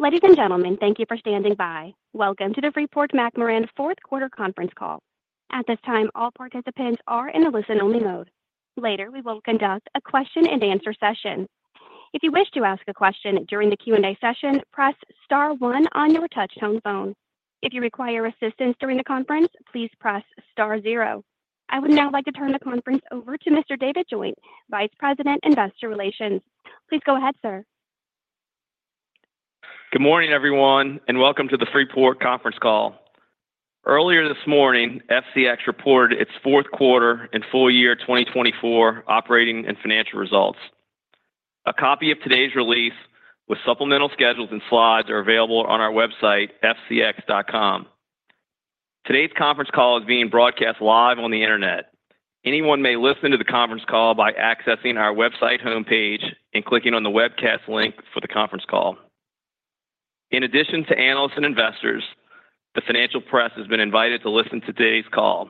Ladies and gentlemen, thank you for standing by. Welcome to the Freeport-McMoRan fourth quarter conference call. At this time, all participants are in a listen-only mode. Later, we will conduct a question-and-answer session. If you wish to ask a question during the Q&A session, press star one on your touch-tone phone. If you require assistance during the conference, please press star zero. I would now like to turn the conference over to Mr. David Joint, Vice President, Investor Relations. Please go ahead, sir. Good morning, everyone, and welcome to the Freeport conference call. Earlier this morning, FCX reported its fourth quarter and full year 2024 operating and financial results. A copy of today's release with supplemental schedules and slides is available on our website, fcx.com. Today's conference call is being broadcast live on the internet. Anyone may listen to the conference call by accessing our website homepage and clicking on the webcast link for the conference call. In addition to analysts and investors, the financial press has been invited to listen to today's call.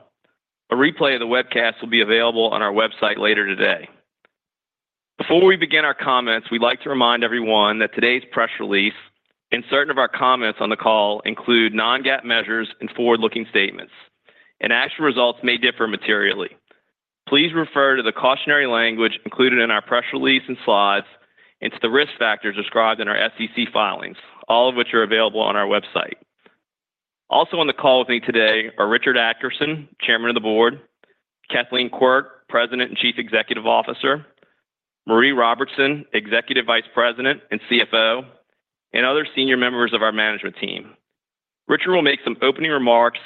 A replay of the webcast will be available on our website later today. Before we begin our comments, we'd like to remind everyone that today's press release and certain of our comments on the call include non-GAAP measures and forward-looking statements, and actual results may differ materially. Please refer to the cautionary language included in our press release and slides and to the risk factors described in our SEC filings, all of which are available on our website. Also on the call with me today are Richard Adkerson, Chairman of the Board, Kathleen Quirk, President and Chief Executive Officer, Maree Robertson, Executive Vice President and CFO, and other senior members of our management team. Richard will make some opening remarks.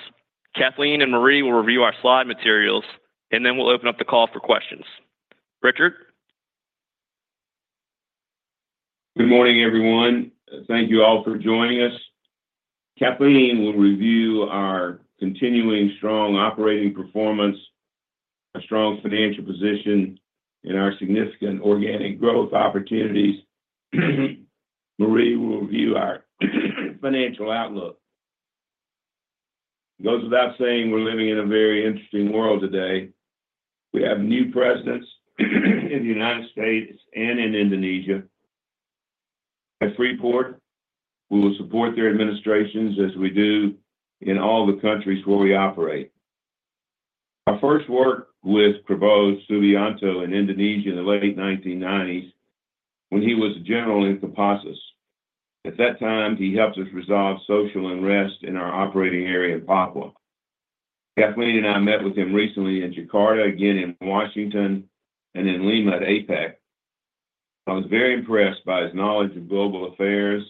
Kathleen and Maree will review our slide materials, and then we'll open up the call for questions. Richard? Good morning, everyone. Thank you all for joining us. Kathleen will review our continuing strong operating performance, our strong financial position, and our significant organic growth opportunities. Maree will review our financial outlook. It goes without saying we're living in a very interesting world today. We have new presidents in the United States and in Indonesia. At Freeport, we will support their administrations as we do in all the countries where we operate. Our first work with Prabowo Subianto in Indonesia in the late 1990s when he was a general in Kopassus. At that time, he helped us resolve social unrest in our operating area in Papua. Kathleen and I met with him recently in Jakarta, again in Washington, and in Lima at APEC. I was very impressed by his knowledge of global affairs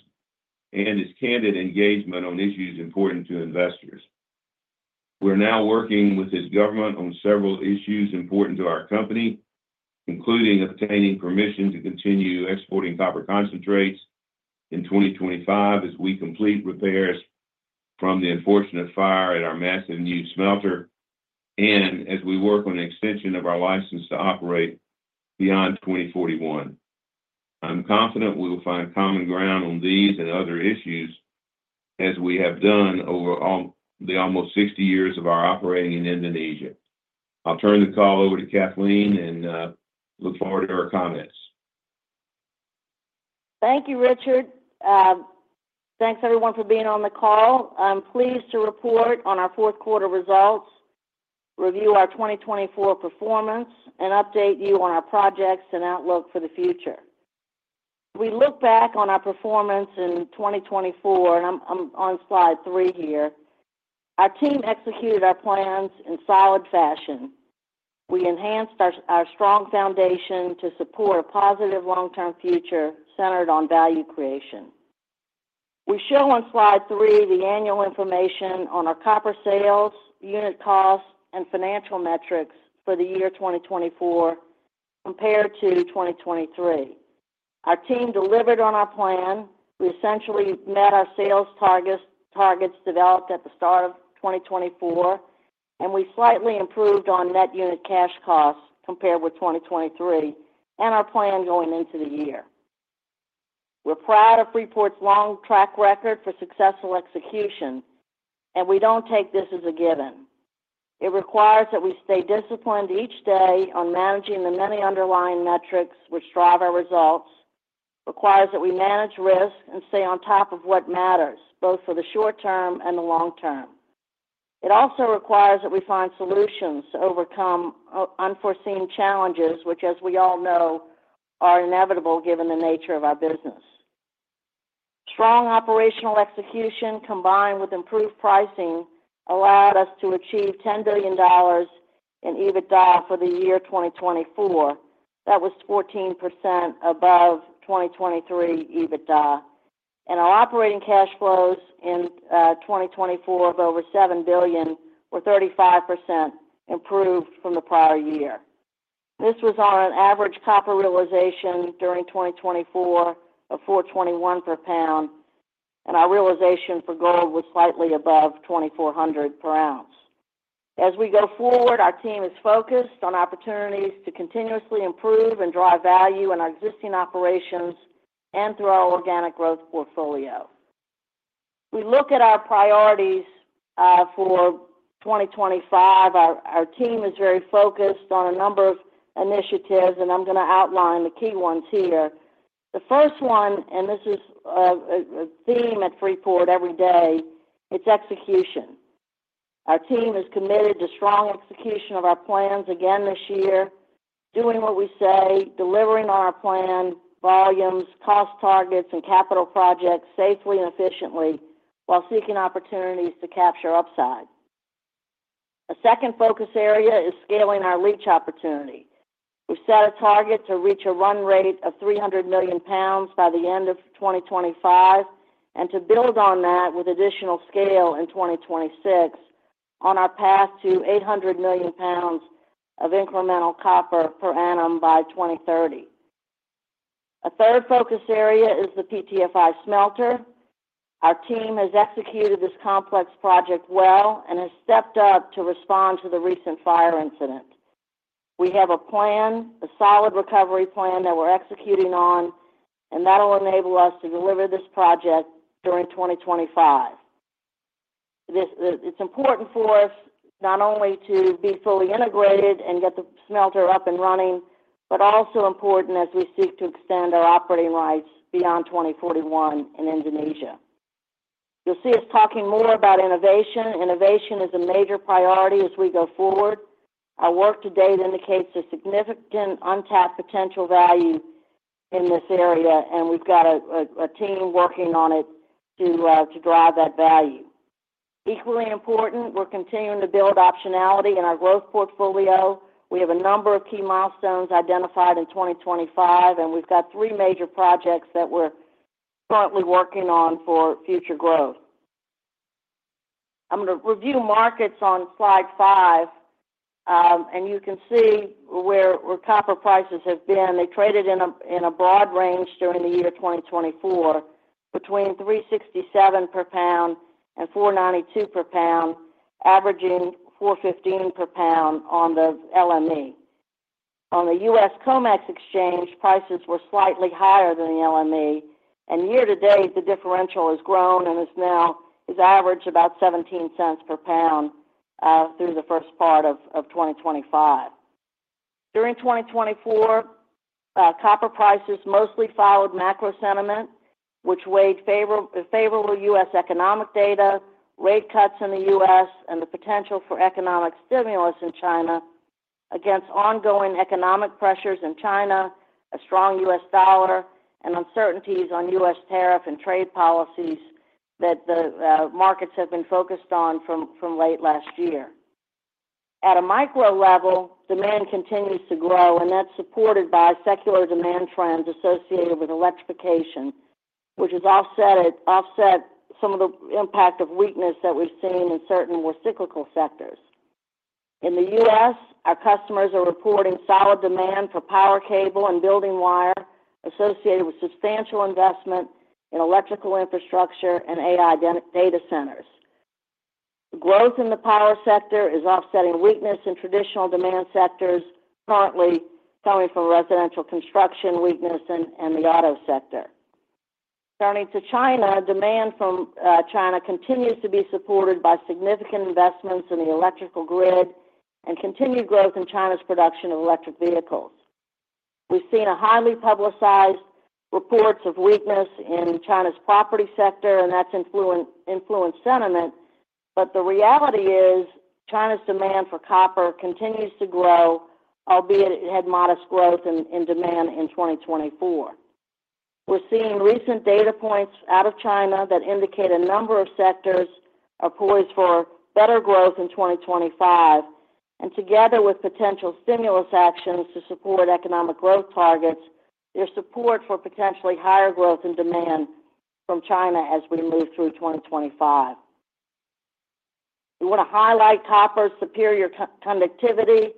and his candid engagement on issues important to investors. We're now working with his government on several issues important to our company, including obtaining permission to continue exporting copper concentrates in 2025 as we complete repairs from the unfortunate fire at our massive new smelter, and as we work on an extension of our license to operate beyond 2041. I'm confident we will find common ground on these and other issues as we have done over the almost 60 years of our operating in Indonesia. I'll turn the call over to Kathleen and look forward to her comments. Thank you, Richard. Thanks, everyone, for being on the call. I'm pleased to report on our fourth quarter results, review our 2024 performance, and update you on our projects and outlook for the future. We look back on our performance in 2024, and I'm on slide three here. Our team executed our plans in solid fashion. We enhanced our strong foundation to support a positive long-term future centered on value creation. We show on slide three the annual information on our copper sales, unit costs, and financial metrics for the year 2024 compared to 2023. Our team delivered on our plan. We essentially met our sales targets developed at the start of 2024, and we slightly improved on net unit cash costs compared with 2023 and our plan going into the year. We're proud of Freeport's long track record for successful execution, and we don't take this as a given. It requires that we stay disciplined each day on managing the many underlying metrics which drive our results, requires that we manage risk and stay on top of what matters, both for the short term and the long term. It also requires that we find solutions to overcome unforeseen challenges, which, as we all know, are inevitable given the nature of our business. Strong operational execution combined with improved pricing allowed us to achieve $10 billion in EBITDA for the year 2024. That was 14% above 2023 EBITDA. And our operating cash flows in 2024 of over $7 billion were 35% improved from the prior year. This was on an average copper realization during 2024 of $4.21 per pound, and our realization for gold was slightly above $2,400 per ounce. As we go forward, our team is focused on opportunities to continuously improve and drive value in our existing operations and through our organic growth portfolio. We look at our priorities for 2025. Our team is very focused on a number of initiatives, and I'm going to outline the key ones here. The first one, and this is a theme at Freeport every day, it's execution. Our team is committed to strong execution of our plans again this year, doing what we say, delivering on our plan, volumes, cost targets, and capital projects safely and efficiently while seeking opportunities to capture upside. A second focus area is scaling our leach opportunity. We set a target to reach a run rate of $300 million by the end of 2025 and to build on that with additional scale in 2026 on our path to $800 million of incremental copper per annum by 2030. A third focus area is the PTFI smelter. Our team has executed this complex project well and has stepped up to respond to the recent fire incident. We have a plan, a solid recovery plan that we're executing on, and that will enable us to deliver this project during 2025. It's important for us not only to be fully integrated and get the smelter up and running, but also important as we seek to extend our operating rights beyond 2041 in Indonesia. You'll see us talking more about innovation. Innovation is a major priority as we go forward. Our work to date indicates a significant untapped potential value in this area, and we've got a team working on it to drive that value. Equally important, we're continuing to build optionality in our growth portfolio. We have a number of key milestones identified in 2025, and we've got three major projects that we're currently working on for future growth. I'm going to review markets on slide five, and you can see where copper prices have been. They traded in a broad range during the year 2024 between $3.67 per pound and $4.92 per pound, averaging $4.15 per pound on the LME. On the US COMEX exchange, prices were slightly higher than the LME, and year to date, the differential has grown and is now averaged about $0.17 per pound through the first part of 2025. During 2024, copper prices mostly followed macro sentiment, which weighed favorable US economic data, rate cuts in the US, and the potential for economic stimulus in China against ongoing economic pressures in China, a strong US dollar, and uncertainties on US tariff and trade policies that the markets have been focused on from late last year. At a micro level, demand continues to grow, and that's supported by secular demand trends associated with electrification, which has offset some of the impact of weakness that we've seen in certain more cyclical sectors. In the US, our customers are reporting solid demand for power cable and building wire associated with substantial investment in electrical infrastructure and AI data centers. Growth in the power sector is offsetting weakness in traditional demand sectors currently coming from residential construction weakness and the auto sector. Turning to China, demand from China continues to be supported by significant investments in the electrical grid and continued growth in China's production of electric vehicles. We've seen highly publicized reports of weakness in China's property sector, and that's influenced sentiment, but the reality is China's demand for copper continues to grow, albeit it had modest growth in demand in 2024. We're seeing recent data points out of China that indicate a number of sectors are poised for better growth in 2025, and together with potential stimulus actions to support economic growth targets, there's support for potentially higher growth in demand from China as we move through 2025. We want to highlight copper's superior conductivity,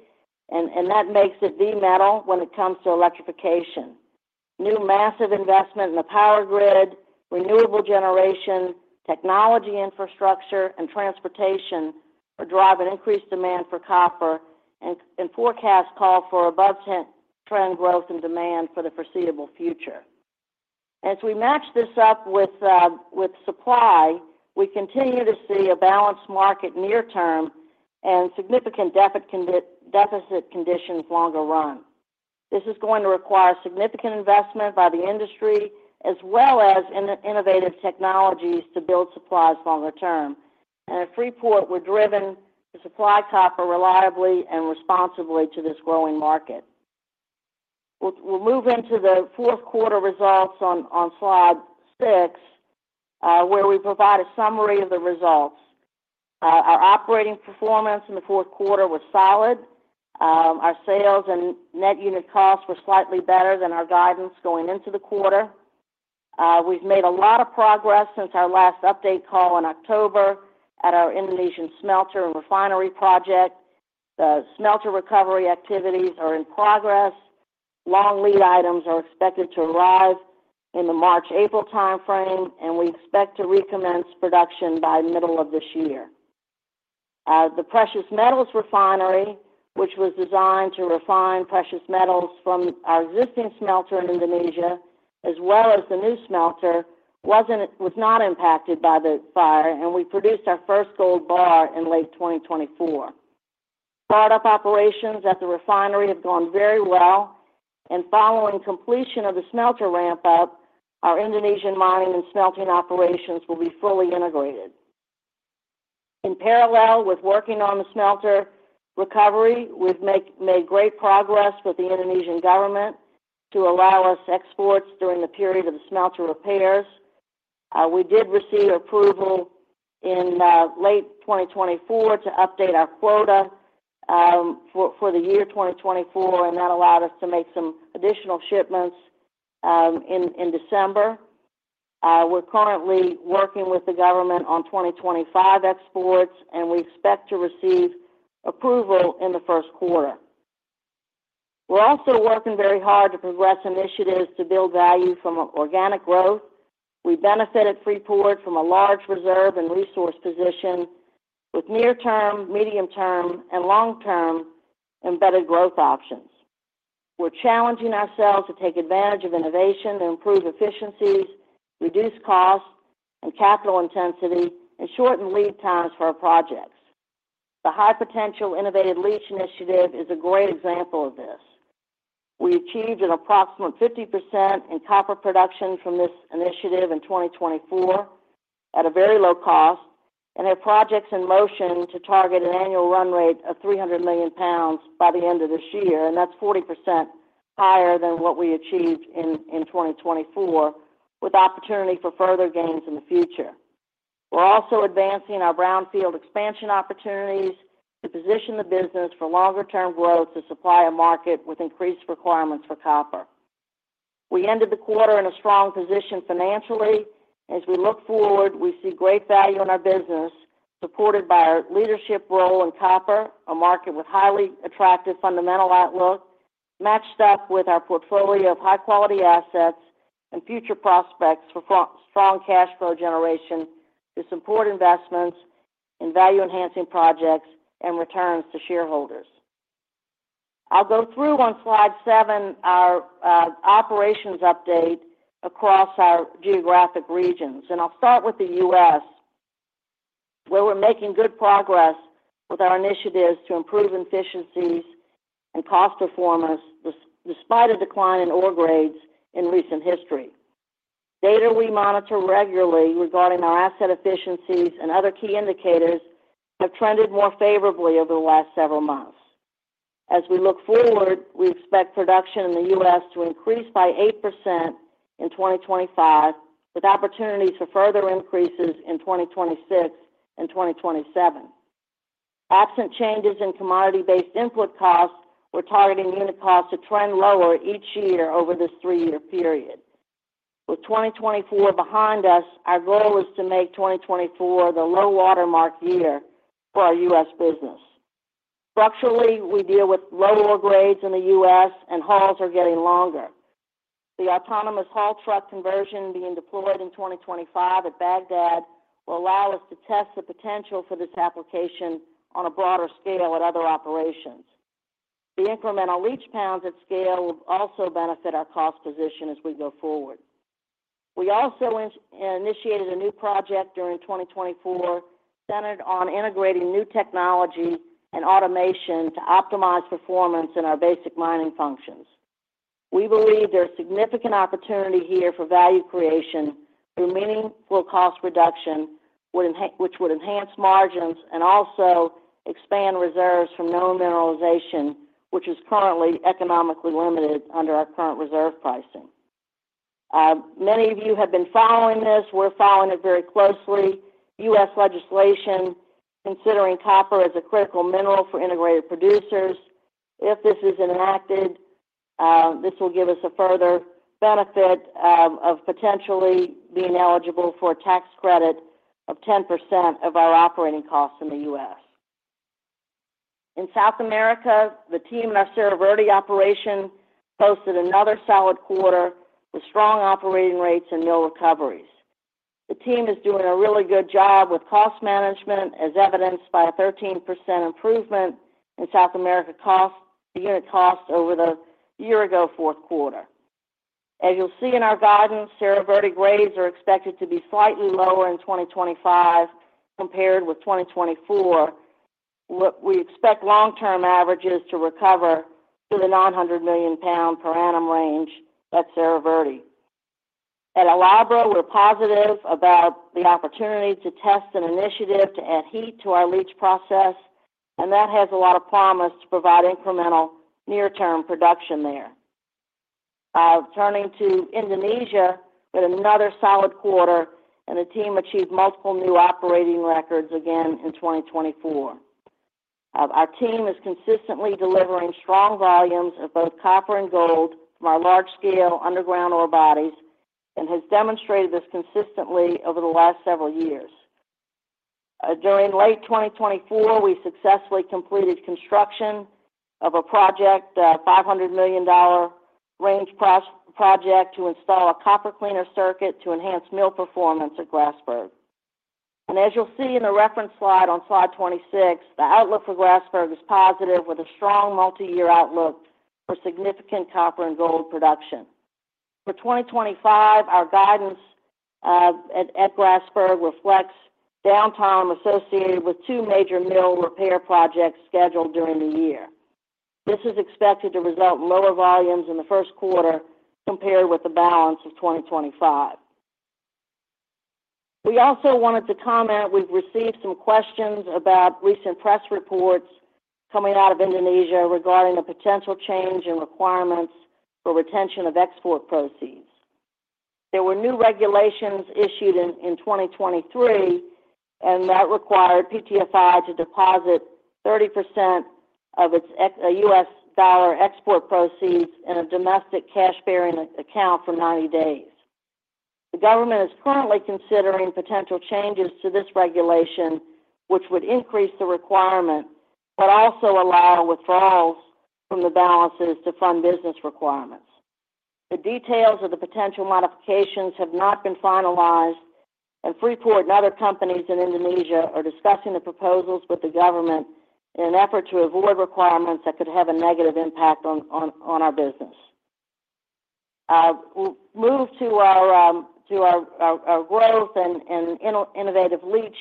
and that makes it the metal when it comes to electrification. New massive investment in the power grid, renewable generation, technology infrastructure, and transportation are driving increased demand for copper, and forecasts call for above-trend growth in demand for the foreseeable future. As we match this up with supply, we continue to see a balanced market near-term and significant deficit conditions longer run. This is going to require significant investment by the industry as well as innovative technologies to build supplies longer term. And at Freeport, we're driven to supply copper reliably and responsibly to this growing market. We'll move into the fourth quarter results on slide six, where we provide a summary of the results. Our operating performance in the fourth quarter was solid. Our sales and net unit costs were slightly better than our guidance going into the quarter. We've made a lot of progress since our last update call in October at our Indonesian smelter and refinery project. The smelter recovery activities are in progress. Long lead items are expected to arrive in the March-April timeframe, and we expect to recommence production by middle of this year. The Precious Metals Refinery, which was designed to refine precious metals from our existing smelter in Indonesia as well as the new smelter, was not impacted by the fire, and we produced our first gold bar in late 2024. Startup operations at the refinery have gone very well, and following completion of the smelter ramp-up, our Indonesian mining and smelting operations will be fully integrated. In parallel with working on the smelter recovery, we've made great progress with the Indonesian government to allow us exports during the period of the smelter repairs. We did receive approval in late 2024 to update our quota for the year 2024, and that allowed us to make some additional shipments in December. We're currently working with the government on 2025 exports, and we expect to receive approval in the first quarter. We're also working very hard to progress initiatives to build value from organic growth. We benefited Freeport from a large reserve and resource position with near-term, medium-term, and long-term embedded growth options. We're challenging ourselves to take advantage of innovation to improve efficiencies, reduce costs and capital intensity, and shorten lead times for our projects. The high-potential innovative leach initiative is a great example of this. We achieved an approximate 50% in copper production from this initiative in 2024 at a very low cost, and have projects in motion to target an annual run rate of $300 million by the end of this year, and that's 40% higher than what we achieved in 2024, with opportunity for further gains in the future. We're also advancing our brownfield expansion opportunities to position the business for longer-term growth to supply a market with increased requirements for copper. We ended the quarter in a strong position financially. As we look forward, we see great value in our business supported by our leadership role in copper, a market with highly attractive fundamental outlook, matched up with our portfolio of high-quality assets and future prospects for strong cash flow generation to support investments in value-enhancing projects and returns to shareholders. I'll go through on slide seven our operations update across our geographic regions, and I'll start with the U.S., where we're making good progress with our initiatives to improve efficiencies and cost performance despite a decline in ore grades in recent history. Data we monitor regularly regarding our asset efficiencies and other key indicators have trended more favorably over the last several months. As we look forward, we expect production in the U.S. to increase by 8% in 2025, with opportunities for further increases in 2026 and 2027. Absent changes in commodity-based input costs, we're targeting unit costs to trend lower each year over this three-year period. With 2024 behind us, our goal is to make 2024 the low watermark year for our U.S. business. Structurally, we deal with low ore grades in the U.S., and hauls are getting longer. The autonomous haul truck conversion being deployed in 2025 at Bagdad will allow us to test the potential for this application on a broader scale at other operations. The incremental leach pounds at scale will also benefit our cost position as we go forward. We also initiated a new project during 2024 centered on integrating new technology and automation to optimize performance in our basic mining functions. We believe there's significant opportunity here for value creation through meaningful cost reduction, which would enhance margins and also expand reserves from known mineralization, which is currently economically limited under our current reserve pricing. Many of you have been following this. We're following it very closely. US legislation considering copper as a critical mineral for integrated producers. If this is enacted, this will give us a further benefit of potentially being eligible for a tax credit of 10% of our operating costs in the US. In South America, the team in our Cerro Verde operation posted another solid quarter with strong operating rates and uncertain. The team is doing a really good job with cost management, as evidenced by a 13% improvement in South America cost, the unit cost over the year ago fourth quarter. As you'll see in our guidance, Cerro Verde grades are expected to be slightly lower in 2025 compared with 2024. We expect long-term averages to recover to the $900 million per annum range at Cerro Verde. At El Abra, we're positive about the opportunity to test an initiative to add heat to our leach process, and that has a lot of promise to provide incremental near-term production there. Turning to Indonesia with another solid quarter, the team achieved multiple new operating records again in 2024. Our team is consistently delivering strong volumes of both copper and gold from our large-scale underground ore bodies and has demonstrated this consistently over the last several years. During late 2024, we successfully completed construction of a project, a $500 million range project, to install a copper cleaner circuit to enhance mill performance at Grasberg. As you'll see in the reference slide on slide 26, the outlook for Grasberg is positive with a strong multi-year outlook for significant copper and gold production. For 2025, our guidance at Grasberg reflects downtime associated with two major mill repair projects scheduled during the year. This is expected to result in lower volumes in the first quarter compared with the balance of 2025. We also wanted to comment we've received some questions about recent press reports coming out of Indonesia regarding a potential change in requirements for retention of export proceeds. There were new regulations issued in 2023, and that required PTFI to deposit 30% of its USD export proceeds in a domestic cash-bearing account for 90 days. The government is currently considering potential changes to this regulation, which would increase the requirement but also allow withdrawals from the balances to fund business requirements. The details of the potential modifications have not been finalized, and Freeport and other companies in Indonesia are discussing the proposals with the government in an effort to avoid requirements that could have a negative impact on our business. We'll move to our growth and innovative leach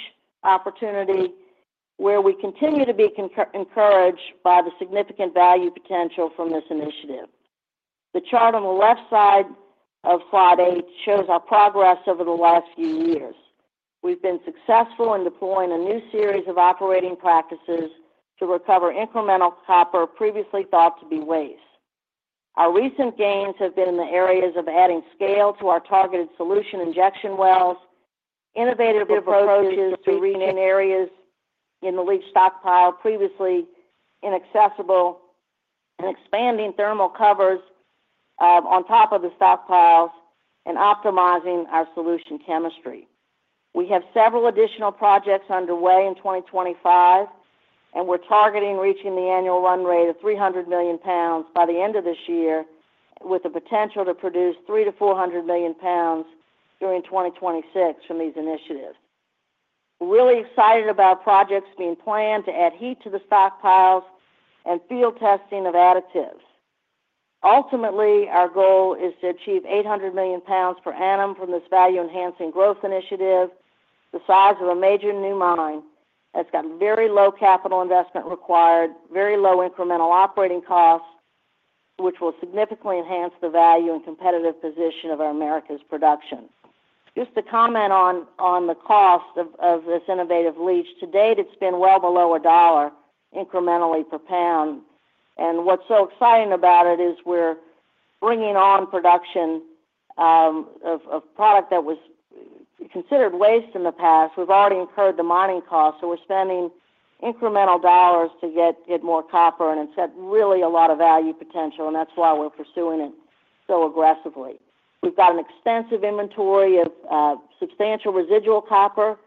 opportunity, where we continue to be encouraged by the significant value potential from this initiative. The chart on the left side of slide eight shows our progress over the last few years. We've been successful in deploying a new series of operating practices to recover incremental copper previously thought to be waste. Our recent gains have been in the areas of adding scale to our targeted solution injection wells, innovative approaches to reaching areas in the leach stockpile previously inaccessible, and expanding thermal covers on top of the stockpiles and optimizing our solution chemistry. We have several additional projects underway in 2025, and we're targeting reaching the annual run rate of $300 million by the end of this year, with the potential to produce $300 million-$400 million during 2026 from these initiatives. We're really excited about projects being planned to add heat to the stockpiles and field testing of additives. Ultimately, our goal is to achieve $800 million per annum from this value-enhancing growth initiative, the size of a major new mine that's got very low capital investment required, very low incremental operating costs, which will significantly enhance the value and competitive position of our Americas production. Just to comment on the cost of this innovative leach, to date, it's been well below a dollar incrementally per pound. And what's so exciting about it is we're bringing on production of product that was considered waste in the past. We've already incurred the mining cost, so we're spending incremental dollars to get more copper and have set really a lot of value potential, and that's why we're pursuing it so aggressively. We've got an extensive inventory of substantial residual copper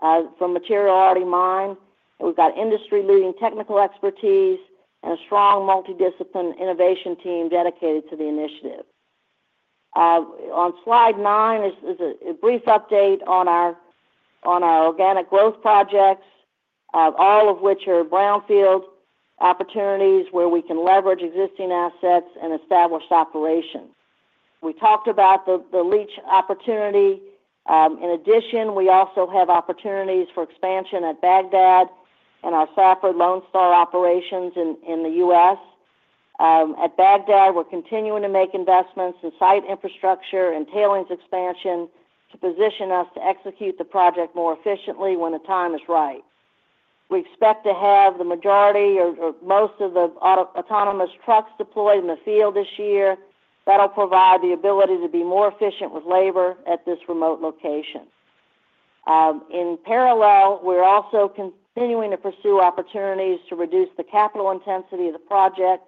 from material already mined, and we've got industry-leading technical expertise and a strong multidisciplinary innovation team dedicated to the initiative. On slide nine is a brief update on our organic growth projects, all of which are brownfield opportunities where we can leverage existing assets and establish operations. We talked about the leach opportunity. In addition, we also have opportunities for expansion at Bagdad and our Safford-Lone Star operations in the U.S. At Bagdad, we're continuing to make investments in site infrastructure and tailings expansion to position us to execute the project more efficiently when the time is right. We expect to have the majority or most of the autonomous trucks deployed in the field this year. That'll provide the ability to be more efficient with labor at this remote location. In parallel, we're also continuing to pursue opportunities to reduce the capital intensity of the project.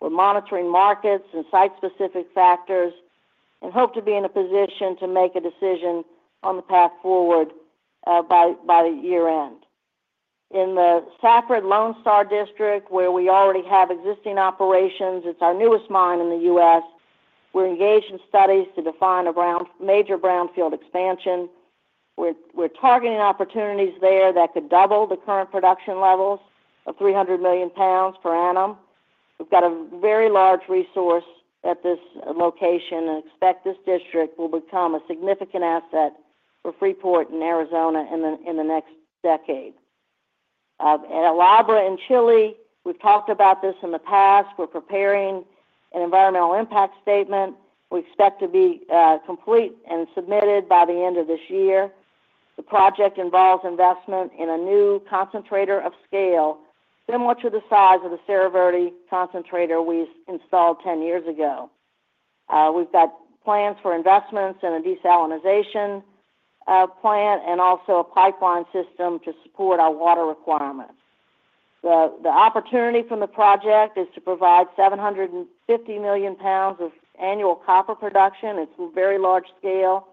We're monitoring markets and site-specific factors and hope to be in a position to make a decision on the path forward by the year end. In the Safford-Lone Star district, where we already have existing operations, it's our newest mine in the U.S. We're engaged in studies to define a major brownfield expansion. We're targeting opportunities there that could double the current production levels of 300 million pounds per annum. We've got a very large resource at this location and expect this district will become a significant asset for Freeport and Arizona in the next decade. At El Abra in Chile, we've talked about this in the past. We're preparing an environmental impact statement. We expect to be complete and submitted by the end of this year. The project involves investment in a new concentrator of scale, similar to the size of the Cerro Verde concentrator we installed 10 years ago. We've got plans for investments in a desalination plant and also a pipeline system to support our water requirements. The opportunity from the project is to provide 750 million pounds of annual copper production. It's very large scale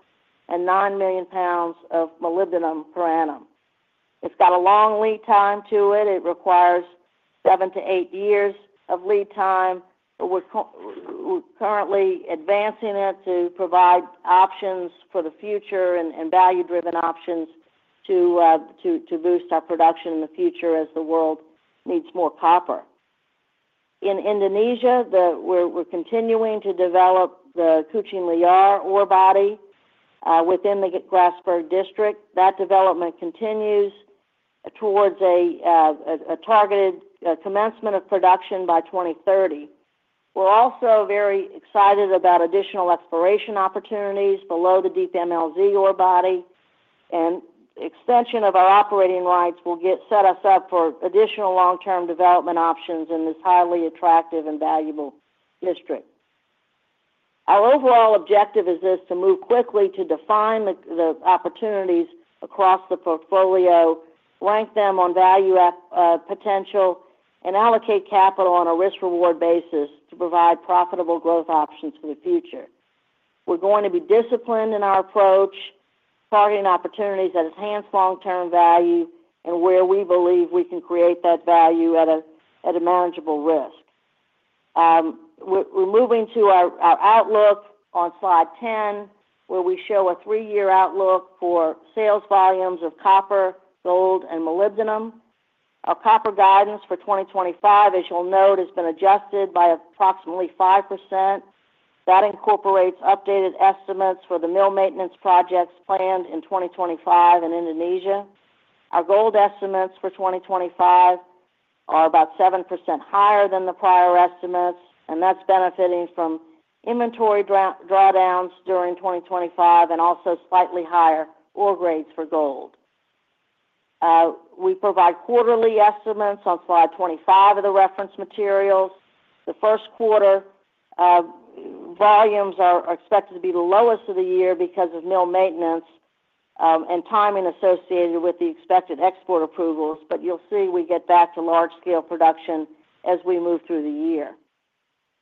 and 9 million pounds of molybdenum per annum. It's got a long lead time to it. It requires seven to eight years of lead time. We're currently advancing it to provide options for the future and value-driven options to boost our production in the future as the world needs more copper. In Indonesia, we're continuing to develop the Kucing Liar ore body within the Grasberg district. That development continues towards a targeted commencement of production by 2030. We're also very excited about additional exploration opportunities below the deep MLZ ore body, and extension of our operating rights will set us up for additional long-term development options in this highly attractive and valuable district. Our overall objective is to move quickly to define the opportunities across the portfolio, rank them on value potential, and allocate capital on a risk-reward basis to provide profitable growth options for the future. We're going to be disciplined in our approach, targeting opportunities that enhance long-term value and where we believe we can create that value at a manageable risk. We're moving to our outlook on slide 10, where we show a three-year outlook for sales volumes of copper, gold, and molybdenum. Our copper guidance for 2025, as you'll note, has been adjusted by approximately 5%. That incorporates updated estimates for the mill maintenance projects planned in 2025 in Indonesia. Our gold estimates for 2025 are about 7% higher than the prior estimates, and that's benefiting from inventory drawdowns during 2025 and also slightly higher ore grades for gold. We provide quarterly estimates on slide 25 of the reference materials. The first quarter volumes are expected to be the lowest of the year because of mill maintenance and timing associated with the expected export approvals, but you'll see we get back to large-scale production as we move through the year.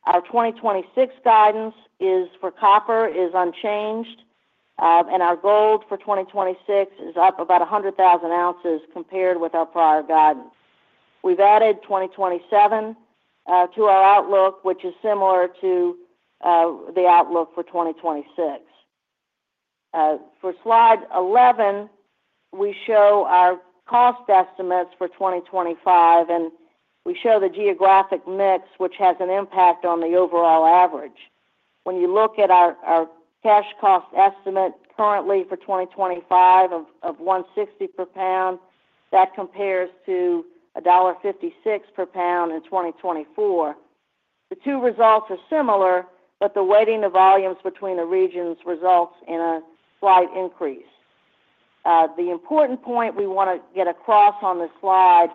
Our 2026 guidance for copper is unchanged, and our gold for 2026 is up about 100,000 ounces compared with our prior guidance. We've added 2027 to our outlook, which is similar to the outlook for 2026. For slide 11, we show our cost estimates for 2025, and we show the geographic mix, which has an impact on the overall average. When you look at our cash cost estimate currently for 2025 of $1.60 per pound, that compares to $1.56 per pound in 2024. The two results are similar, but the weighting of volumes between the regions results in a slight increase. The important point we want to get across on this slide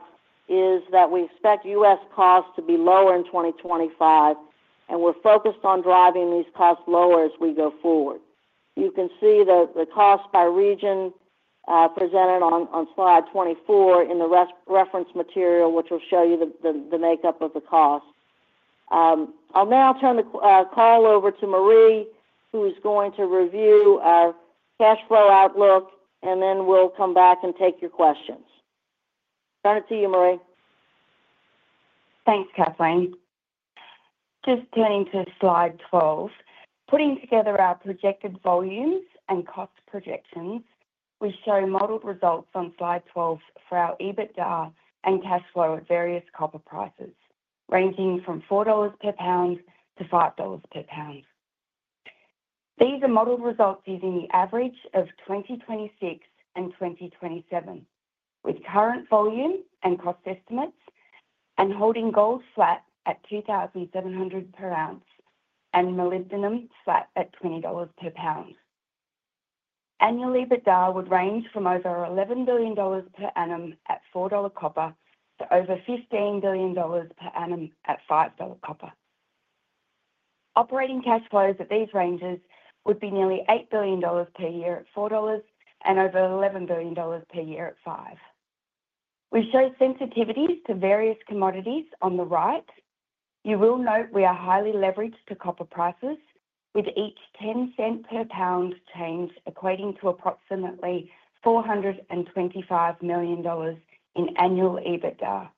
is that we expect US costs to be lower in 2025, and we're focused on driving these costs lower as we go forward. You can see the cost by region presented on slide 24 in the reference material, which will show you the makeup of the cost. I'll now turn the call over to Maree, who is going to review our cash flow outlook, and then we'll come back and take your questions. Turn it to you, Maree. Thanks, Kathleen. Just turning to slide 12. Putting together our projected volumes and cost projections, we show modeled results on slide 12 for our EBITDA and cash flow at various copper prices, ranging from $4 per pound to $5 per pound. These are modeled results using the average of 2026 and 2027, with current volume and cost estimates and holding gold flat at $2,700 per ounce and molybdenum flat at $20 per pound. Annual EBITDA would range from over $11 billion per annum at $4 copper to over $15 billion per annum at $5 copper. Operating cash flows at these ranges would be nearly $8 billion per year at $4 and over $11 billion per year at $5. We show sensitivities to various commodities on the right. You will note we are highly leveraged to copper prices, with each $0.10 per pound change equating to approximately $425 million in annual EBITDA.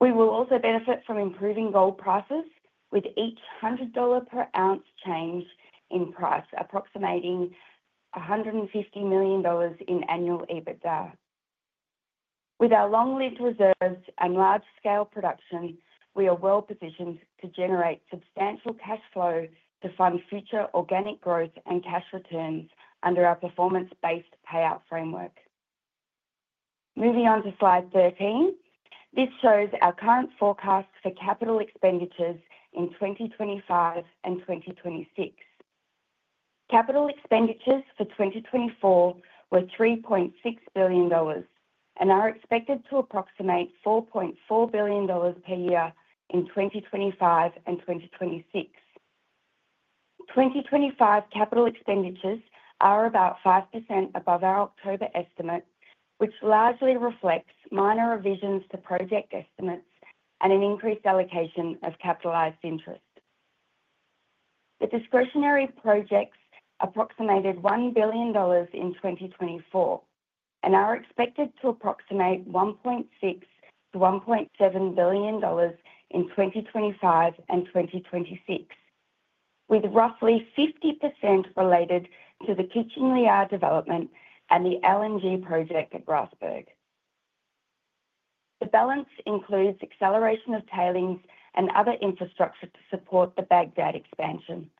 We will also benefit from improving gold prices, with each $100 per ounce change in price approximating $150 million in annual EBITDA. With our long-lived reserves and large-scale production, we are well-positioned to generate substantial cash flow to fund future organic growth and cash returns under our performance-based payout framework. Moving on to slide 13, this shows our current forecast for capital expenditures in 2025 and 2026. Capital expenditures for 2024 were $3.6 billion and are expected to approximate $4.4 billion per year in 2025 and 2026. 2025 capital expenditures are about 5% above our October estimate, which largely reflects minor revisions to project estimates and an increased allocation of capitalized interest. The discretionary projects approximated $1 billion in 2024 and are expected to approximate $1.6-$1.7 billion in 2025 and 2026, with roughly 50% related to the Kucing Liar development and the LNG project at Grasberg. The balance includes acceleration of tailings and other infrastructure to support the Bagdad expansion,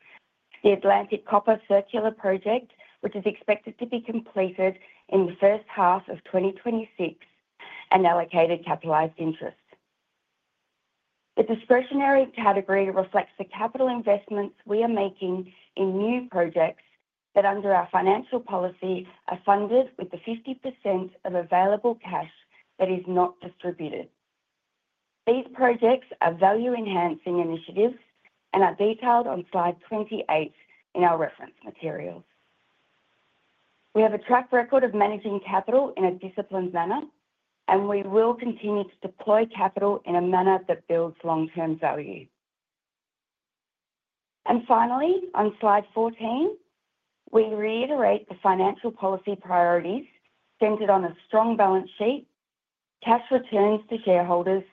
the Atlantic Copper CirCular Project, which is expected to be completed in the first half of 2026, and allocated capitalized interest. The discretionary category reflects the capital investments we are making in new projects that, under our financial policy, are funded with the 50% of available cash that is not distributed. These projects are value-enhancing initiatives and are detailed on slide 28 in our reference materials. We have a track record of managing capital in a disciplined manner, and we will continue to deploy capital in a manner that builds long-term value. Finally, on slide 14, we reiterate the financial policy priorities centered on a strong balance sheet, cash returns to shareholders,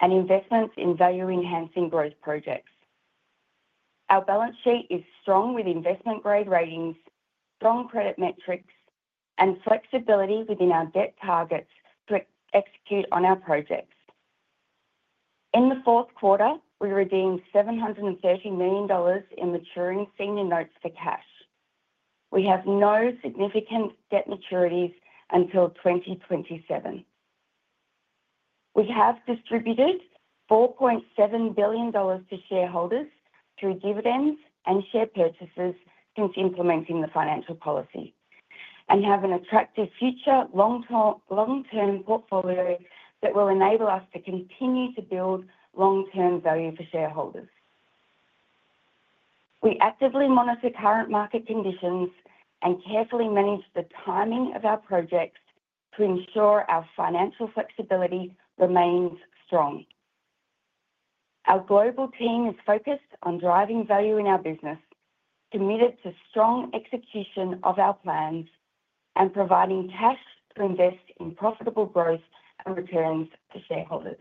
and investments in value-enhancing growth projects. Our balance sheet is strong with investment-grade ratings, strong credit metrics, and flexibility within our debt targets to execute on our projects. In the fourth quarter, we redeemed $730 million in maturing senior notes for cash. We have no significant debt maturities until 2027. We have distributed $4.7 billion to shareholders through dividends and share purchases since implementing the financial policy and have an attractive future long-term portfolio that will enable us to continue to build long-term value for shareholders. We actively monitor current market conditions and carefully manage the timing of our projects to ensure our financial flexibility remains strong. Our global team is focused on driving value in our business, committed to strong execution of our plans, and providing cash to invest in profitable growth and returns to shareholders.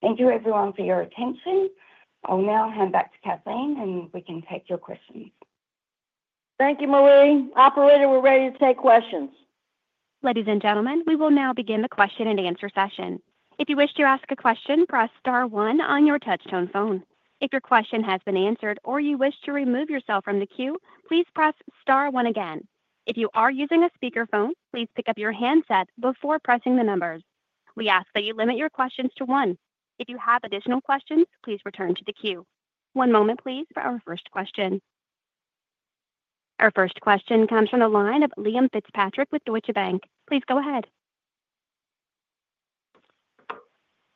Thank you, everyone, for your attention. I'll now hand back to Kathleen, and we can take your questions. Thank you, Maree. Operator, we're ready to take questions. Ladies and gentlemen, we will now begin the question-and-answer session. If you wish to ask a question, press Star 1 on your touch-tone phone. If your question has been answered or you wish to remove yourself from the queue, please press Star 1 again. If you are using a speakerphone, please pick up your handset before pressing the numbers. We ask that you limit your questions to one. If you have additional questions, please return to the queue. One moment, please, for our first question. Our first question comes from the line of Liam Fitzpatrick with Deutsche Bank. Please go ahead.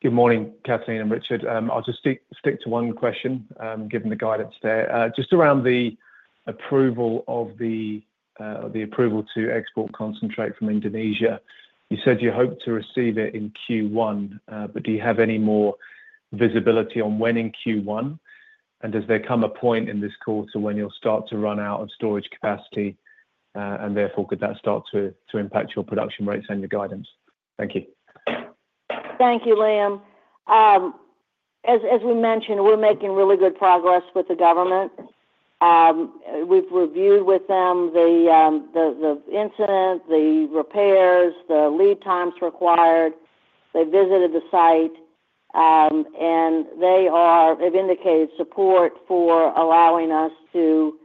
Good morning, Kathleen and Richard. I'll just stick to one question, given the guidance there. Just around the approval to export concentrate from Indonesia, you said you hope to receive it in Q1, but do you have any more visibility on when in Q1? And does there come a point in this quarter when you'll start to run out of storage capacity, and therefore could that start to impact your production rates and your guidance? Thank you. Thank you, Liam. As we mentioned, we're making really good progress with the government. We've reviewed with them the incident, the repairs, the lead times required. They visited the site, and they have indicated support for allowing us to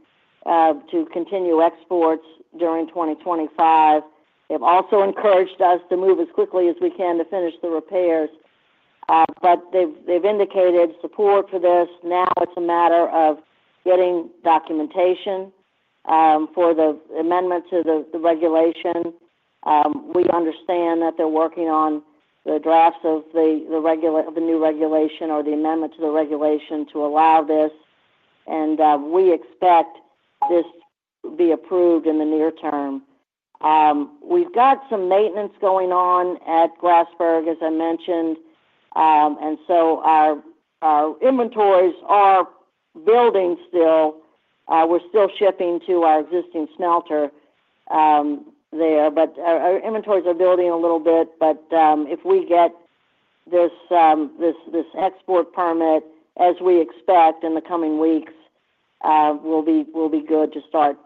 continue exports during 2025. They've also encouraged us to move as quickly as we can to finish the repairs, but they've indicated support for this. Now it's a matter of getting documentation for the amendment to the regulation. We understand that they're working on the drafts of the new regulation or the amendment to the regulation to allow this, and we expect this to be approved in the near term. We've got some maintenance going on at Grasberg, as I mentioned, and so our inventories are building still. We're still shipping to our existing smelter there, but our inventories are building a little bit. But if we get this export permit, as we expect in the coming weeks, we'll be good to start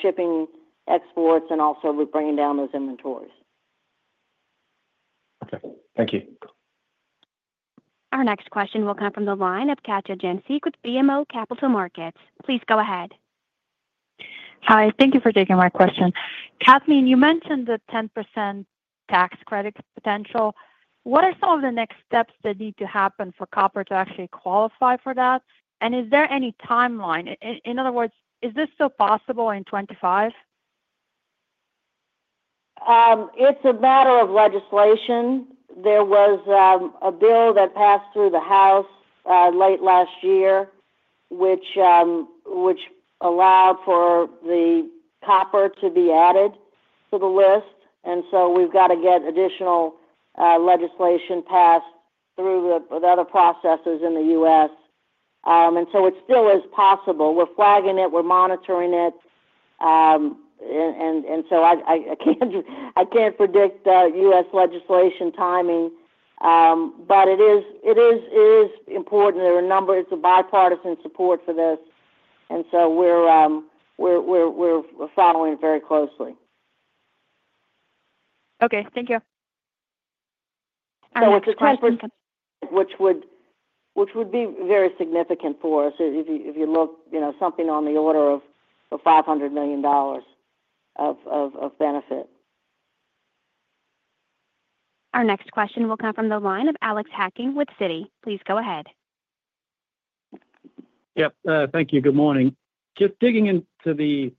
shipping exports and also bringing down those inventories. Okay. Thank you. Our next question will come from the line of Katja Jancic with BMO Capital Markets. Please go ahead. Hi. Thank you for taking my question. Kathleen, you mentioned the 10% tax credit potential. What are some of the next steps that need to happen for copper to actually qualify for that? And is there any timeline? In other words, is this still possible in 2025? It's a matter of legislation. There was a bill that passed through the House late last year, which allowed for the copper to be added to the list. And so we've got to get additional legislation passed through the other processes in the U.S. And so it still is possible. We're flagging it. We're monitoring it. And so I can't predict the U.S. legislation timing, but it is important. There are numbers. It's a bipartisan support for this, and so we're following it very closely. Okay. Thank you. So it's a 10%. Which would be very significant for us if you look at something on the order of $500 million of benefit. Our next question will come from the line of Alex Hacking with Citi. Please go ahead. Yep. Thank you. Good morning. Just digging into the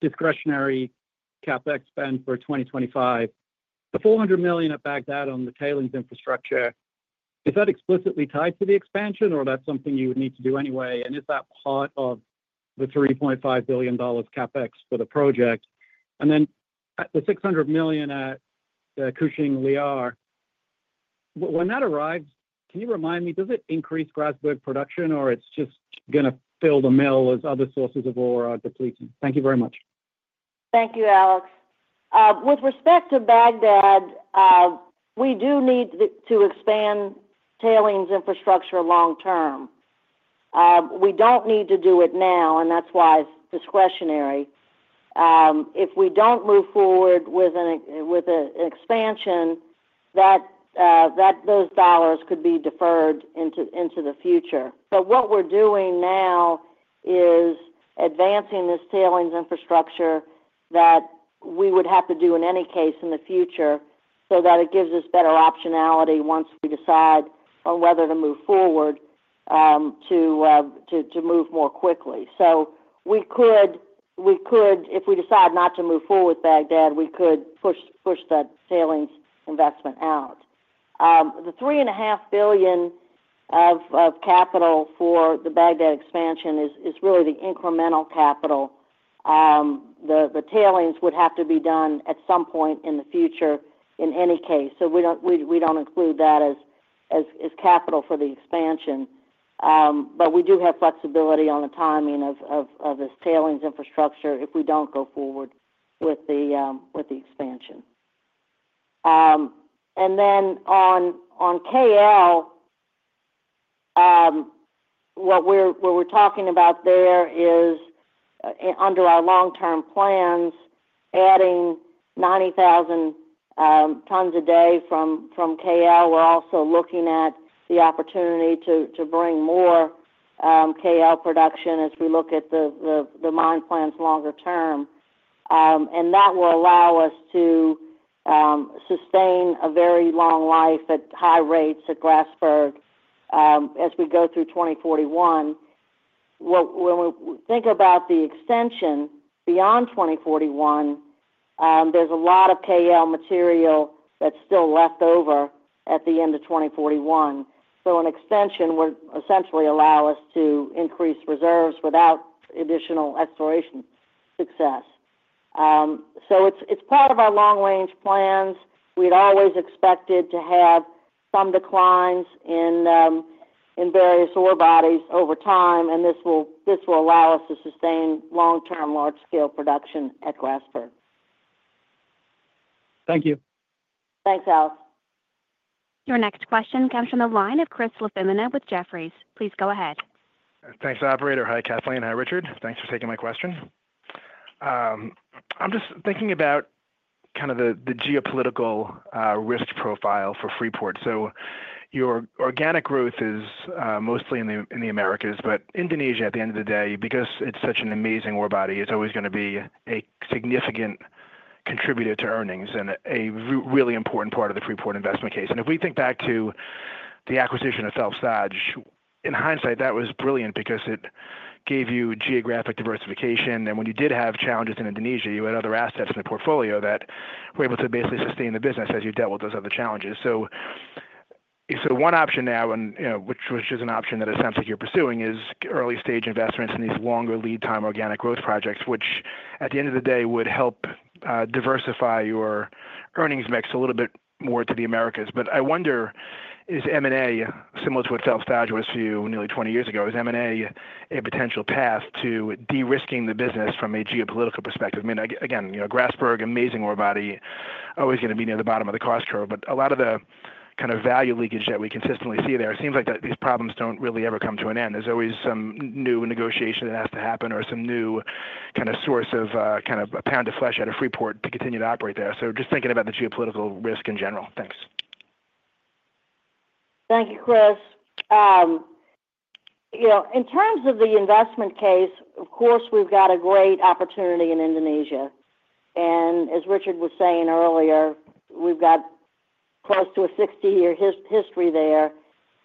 discretionary CapEx spend for 2025, the $400 million at Bagdad on the tailings infrastructure, is that explicitly tied to the expansion, or that's something you would need to do anyway? And is that part of the $3.5 billion CapEx for the project? And then the $600 million at the Kucing Liar, when that arrives, can you remind me, does it increase Grasberg production, or it's just going to fill the mill as other sources of ore are depleting? Thank you very much. Thank you, Alex. With respect to Bagdad, we do need to expand tailings infrastructure long-term. We don't need to do it now, and that's why it's discretionary. If we don't move forward with an expansion, those dollars could be deferred into the future. But what we're doing now is advancing this tailings infrastructure that we would have to do in any case in the future so that it gives us better optionality once we decide on whether to move forward to move more quickly. So if we decide not to move forward with Bagdad, we could push the tailings investment out. The $3.5 billion of capital for the Bagdad expansion is really the incremental capital. The tailings would have to be done at some point in the future in any case. So we don't include that as capital for the expansion, but we do have flexibility on the timing of this tailings infrastructure if we don't go forward with the expansion. And then on KL, what we're talking about there is, under our long-term plans, adding 90,000 tons a day from KL. We're also looking at the opportunity to bring more KL production as we look at the mine plans longer term. And that will allow us to sustain a very long life at high rates at Grasberg as we go through 2041. When we think about the extension beyond 2041, there's a lot of KL material that's still left over at the end of 2041. So an extension would essentially allow us to increase reserves without additional exploration success. So it's part of our long-range plans. We'd always expected to have some declines in various ore bodies over time, and this will allow us to sustain long-term large-scale production at Grasberg. Thank you. Thanks, Alex. Your next question comes from the line of Chris LaFemina with Jefferies. Please go ahead. Thanks, Operator. Hi, Kathleen. Hi, Richard. Thanks for taking my question. I'm just thinking about kind of the geopolitical risk profile for Freeport. So your organic growth is mostly in the Americas, but Indonesia, at the end of the day, because it's such an amazing ore body, is always going to be a significant contributor to earnings and a really important part of the Freeport investment case. And if we think back to the acquisition of Phelps Dodge, in hindsight, that was brilliant because it gave you geographic diversification. And when you did have challenges in Indonesia, you had other assets in the portfolio that were able to basically sustain the business as you dealt with those other challenges. One option now, which is an option that it sounds like you're pursuing, is early-stage investments in these longer lead-time organic growth projects, which, at the end of the day, would help diversify your earnings mix a little bit more to the Americas. But I wonder, is M&A, similar to what Phelps Dodge was to you nearly 20 years ago, is M&A a potential path to de-risking the business from a geopolitical perspective? I mean, again, Grasberg, amazing ore body, always going to be near the bottom of the cost curve, but a lot of the kind of value leakage that we consistently see there, it seems like these problems don't really ever come to an end. There's always some new negotiation that has to happen or some new kind of source of kind of a pound of flesh out of Freeport to continue to operate there. Just thinking about the geopolitical risk in general. Thanks. Thank you, Chris. In terms of the investment case, of course, we've got a great opportunity in Indonesia. And as Richard was saying earlier, we've got close to a 60-year history there,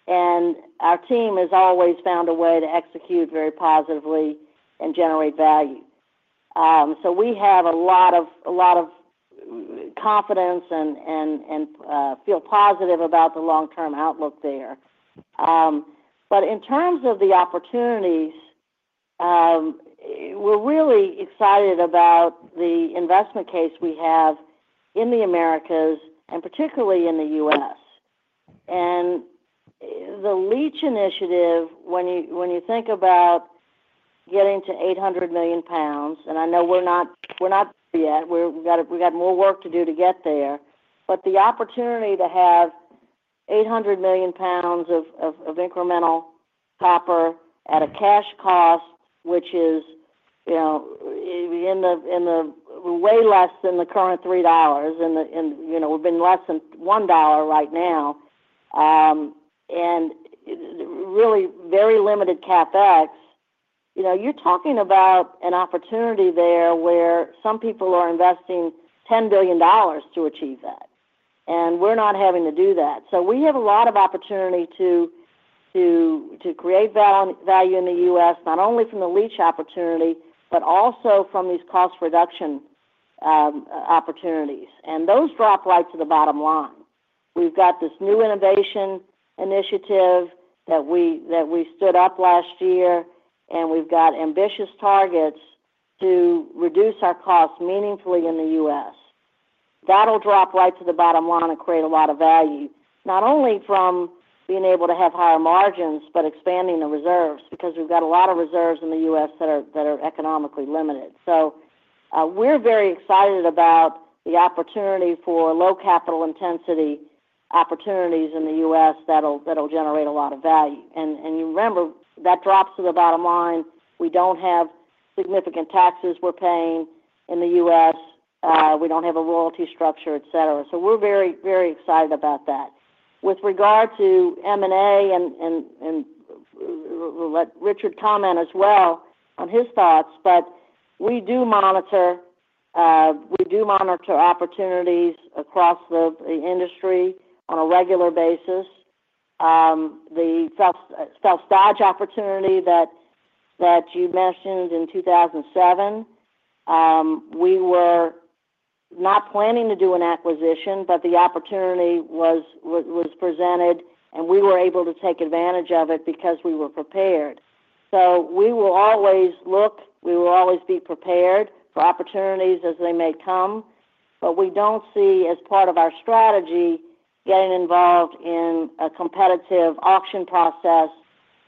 and our team has always found a way to execute very positively and generate value. So we have a lot of confidence and feel positive about the long-term outlook there. But in terms of the opportunities, we're really excited about the investment case we have in the Americas and particularly in the U.S. And the LEACH initiative, when you think about getting to 800 million pounds, and I know we're not there yet. We've got more work to do to get there, but the opportunity to have 800 million pounds of incremental copper at a cash cost, which is way less than the current $3, and we've been less than $1 right now, and really very limited CapEx, you're talking about an opportunity there where some people are investing $10 billion to achieve that, and we're not having to do that. So we have a lot of opportunity to create value in the U.S., not only from the LEACH opportunity, but also from these cost reduction opportunities. And those drop right to the bottom line. We've got this new innovation initiative that we stood up last year, and we've got ambitious targets to reduce our costs meaningfully in the U.S. That'll drop right to the bottom line and create a lot of value, not only from being able to have higher margins, but expanding the reserves because we've got a lot of reserves in the U.S. that are economically limited. So we're very excited about the opportunity for low capital intensity opportunities in the U.S. that'll generate a lot of value. And you remember, that drops to the bottom line. We don't have significant taxes we're paying in the U.S. We don't have a royalty structure, etc. So we're very, very excited about that. With regard to M&A and let Richard comment as well on his thoughts, but we do monitor opportunities across the industry on a regular basis. The Phelps Dodge opportunity that you mentioned in 2007, we were not planning to do an acquisition, but the opportunity was presented, and we were able to take advantage of it because we were prepared. So we will always look. We will always be prepared for opportunities as they may come, but we don't see as part of our strategy getting involved in a competitive auction process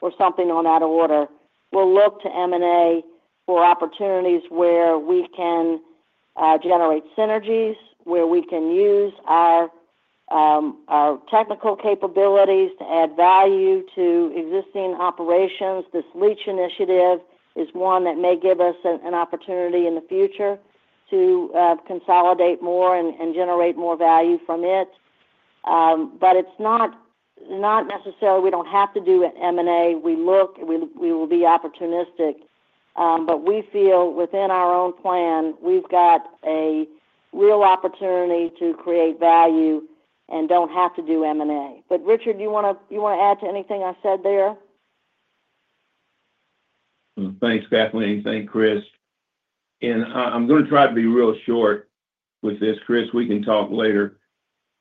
or something on that order. We'll look to M&A for opportunities where we can generate synergies, where we can use our technical capabilities to add value to existing operations. This LEACH initiative is one that may give us an opportunity in the future to consolidate more and generate more value from it. But it's not necessarily we don't have to do an M&A. We will be opportunistic, but we feel within our own plan, we've got a real opportunity to create value and don't have to do M&A. But Richard, do you want to add to anything I said there? Thanks, Kathleen. Thank you, Chris. And I'm going to try to be real short with this, Chris. We can talk later,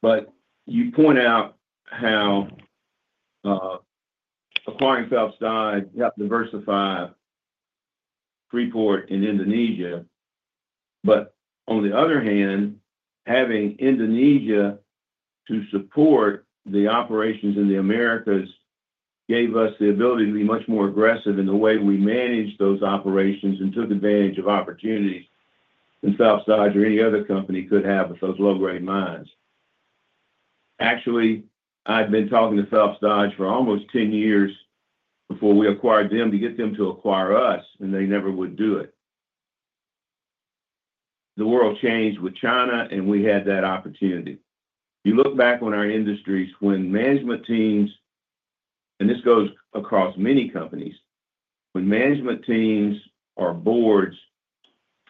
but you point out how acquiring Phelps Dodge helped diversify Freeport in Indonesia. But on the other hand, having Indonesia to support the operations in the Americas gave us the ability to be much more aggressive in the way we managed those operations and took advantage of opportunities that Phelps Dodge or any other company could have with those low-grade mines. Actually, I've been talking to Phelps Dodge for almost 10 years before we acquired them to get them to acquire us, and they never would do it. The world changed with China, and we had that opportunity. You look back on our industries, when management teams, and this goes across many companies, when management teams or boards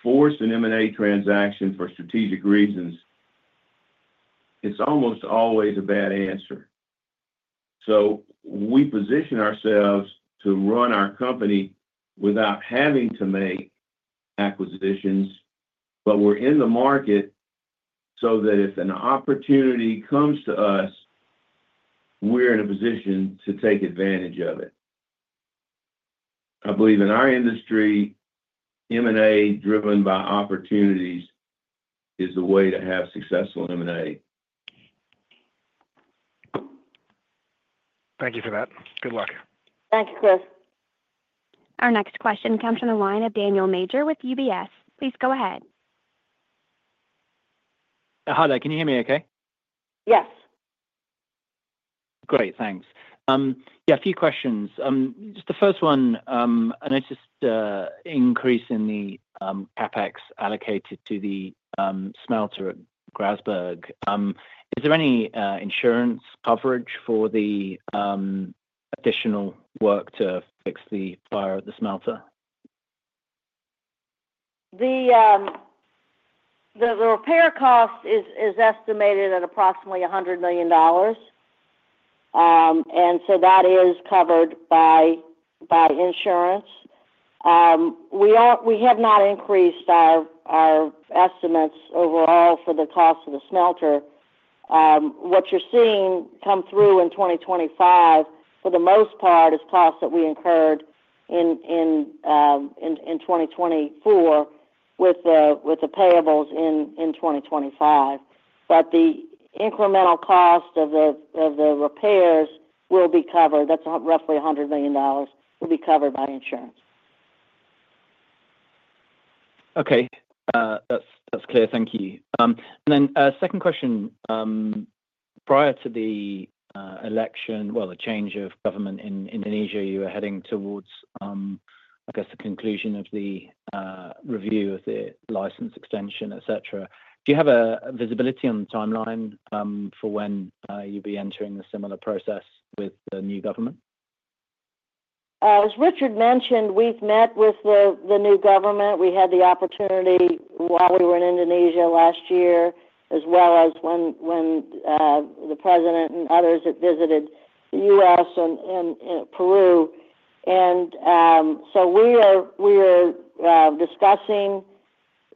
force an M&A transaction for strategic reasons, it's almost always a bad answer. So we position ourselves to run our company without having to make acquisitions, but we're in the market so that if an opportunity comes to us, we're in a position to take advantage of it. I believe in our industry, M&A driven by opportunities is the way to have successful M&A. Thank you for that. Good luck. Thank you, Chris. Our next question comes from the line of Daniel Major with UBS. Please go ahead. Hi, there. Can you hear me okay? Yes. Great. Thanks. Yeah, a few questions. Just the first one, an interest increase in the CapEx allocated to the smelter at Grasberg. Is there any insurance coverage for the additional work to fix the fire at the smelter? The repair cost is estimated at approximately $100 million, and so that is covered by insurance. We have not increased our estimates overall for the cost of the smelter. What you're seeing come through in 2025, for the most part, is costs that we incurred in 2024 with the payables in 2025. But the incremental cost of the repairs will be covered. That's roughly $100 million will be covered by insurance. Okay. That's clear. Thank you. Then second question, prior to the election, well, the change of government in Indonesia, you were heading towards, I guess, the conclusion of the review of the license extension, etc. Do you have a visibility on the timeline for when you'll be entering a similar process with the new government? As Richard mentioned, we've met with the new government. We had the opportunity while we were in Indonesia last year, as well as when the president and others had visited the U.S. and Peru. And so we are discussing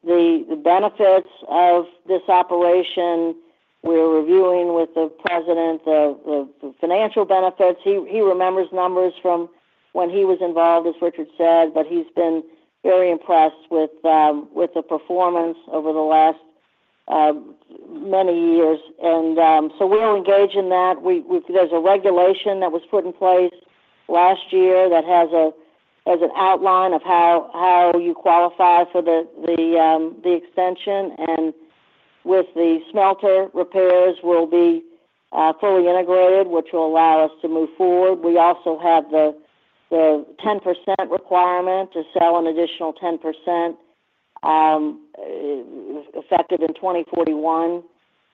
the benefits of this operation. We're reviewing with the president the financial benefits. He remembers numbers from when he was involved, as Richard said, but he's been very impressed with the performance over the last many years. And so we'll engage in that. There's a regulation that was put in place last year that has an outline of how you qualify for the extension. And with the smelter, repairs will be fully integrated, which will allow us to move forward. We also have the 10% requirement to sell an additional 10% effective in 2041.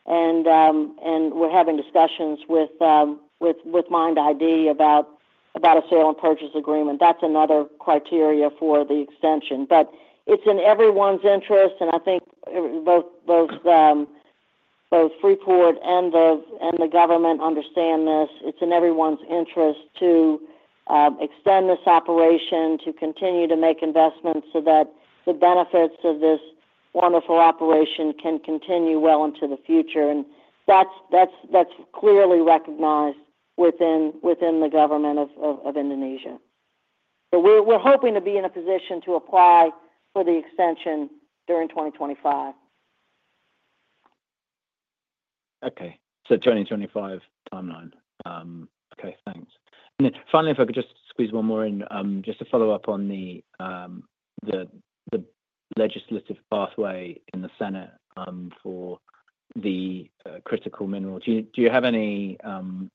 And we're having discussions with MIND ID about a sale and purchase agreement. That's another criteria for the extension, but it's in everyone's interest, and I think both Freeport and the government understand this. It's in everyone's interest to extend this operation, to continue to make investments so that the benefits of this wonderful operation can continue well into the future, and that's clearly recognized within the government of Indonesia. So we're hoping to be in a position to apply for the extension during 2025. Okay, so 2025 timeline. Okay, thanks, and finally, if I could just squeeze one more in, just to follow up on the legislative pathway in the Senate for the critical minerals, do you have any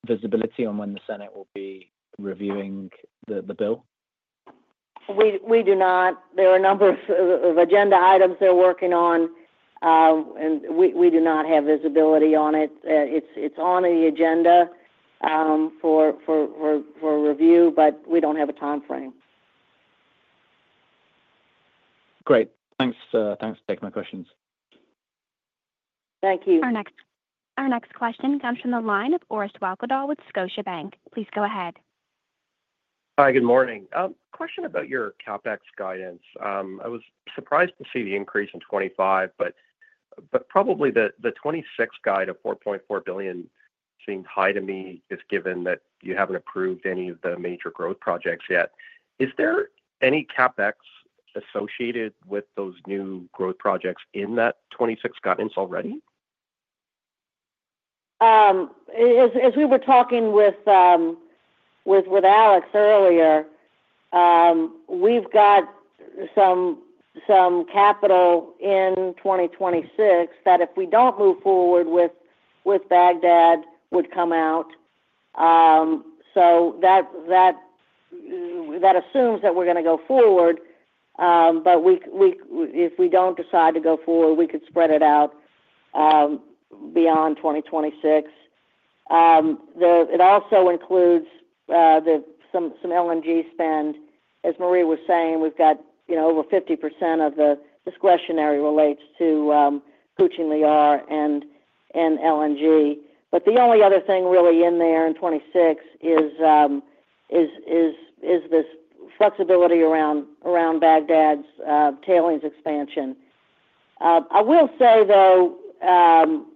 visibility on when the Senate will be reviewing the bill? We do not. There are a number of agenda items they're working on, and we do not have visibility on it. It's on the agenda for review, but we don't have a timeframe. Great. Thanks for taking my questions. Thank you. Our next question comes from the line of Orest Wowkodaw with Scotiabank. Please go ahead. Hi. Good morning. Question about your CapEx guidance. I was surprised to see the increase in 2025, but probably the 2026 guide of $4.4 billion seemed high to me, just given that you haven't approved any of the major growth projects yet. Is there any CapEx associated with those new growth projects in that 2026 guidance already? As we were talking with Alex earlier, we've got some capital in 2026 that, if we don't move forward with Bagdad, would come out. So that assumes that we're going to go forward, but if we don't decide to go forward, we could spread it out beyond 2026. It also includes some LNG spend. As Maree was saying, we've got over 50% of the discretionary relates to Kucing Liar and LNG. But the only other thing really in there in 2026 is this flexibility around Bagdad's tailings expansion. I will say, though,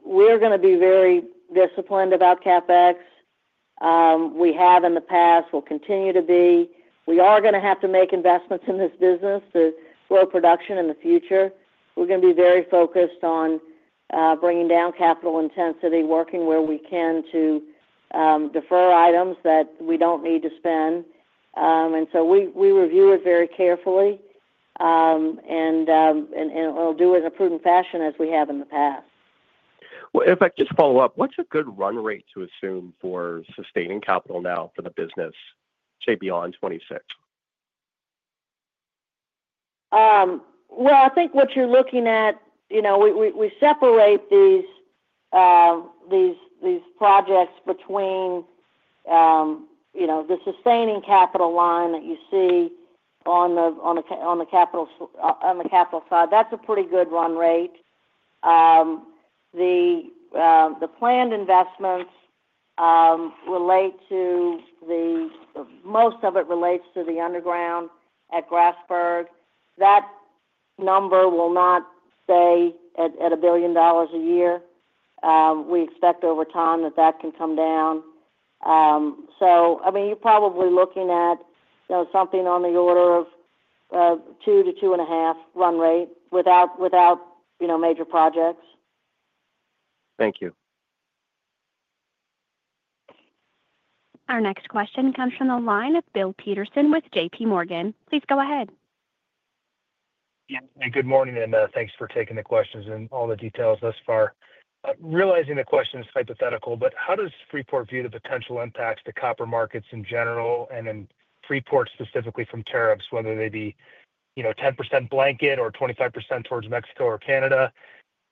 we're going to be very disciplined about CapEx. We have in the past, will continue to be. We are going to have to make investments in this business to grow production in the future. We're going to be very focused on bringing down capital intensity, working where we can to defer items that we don't need to spend. And so we review it very carefully, and we'll do it in a prudent fashion as we have in the past. If I could just follow up, what's a good run rate to assume for sustaining capital now for the business, say, beyond 2026? I think what you're looking at, we separate these projects between the sustaining capital line that you see on the capital side. That's a pretty good run rate. The planned investments relate to the most of it relates to the underground at Grasberg. That number will not stay at $1 billion a year. We expect over time that that can come down. So, I mean, you're probably looking at something on the order of two to two and a half run rate without major projects. Thank you. Our next question comes from the line of William Peterson with J.P. Morgan. Please go ahead. Hey, good morning, and thanks for taking the questions and all the details thus far. Realizing the question is hypothetical, but how does Freeport view the potential impacts to copper markets in general and in Freeport specifically from tariffs, whether they be 10% blanket or 25% towards Mexico or Canada?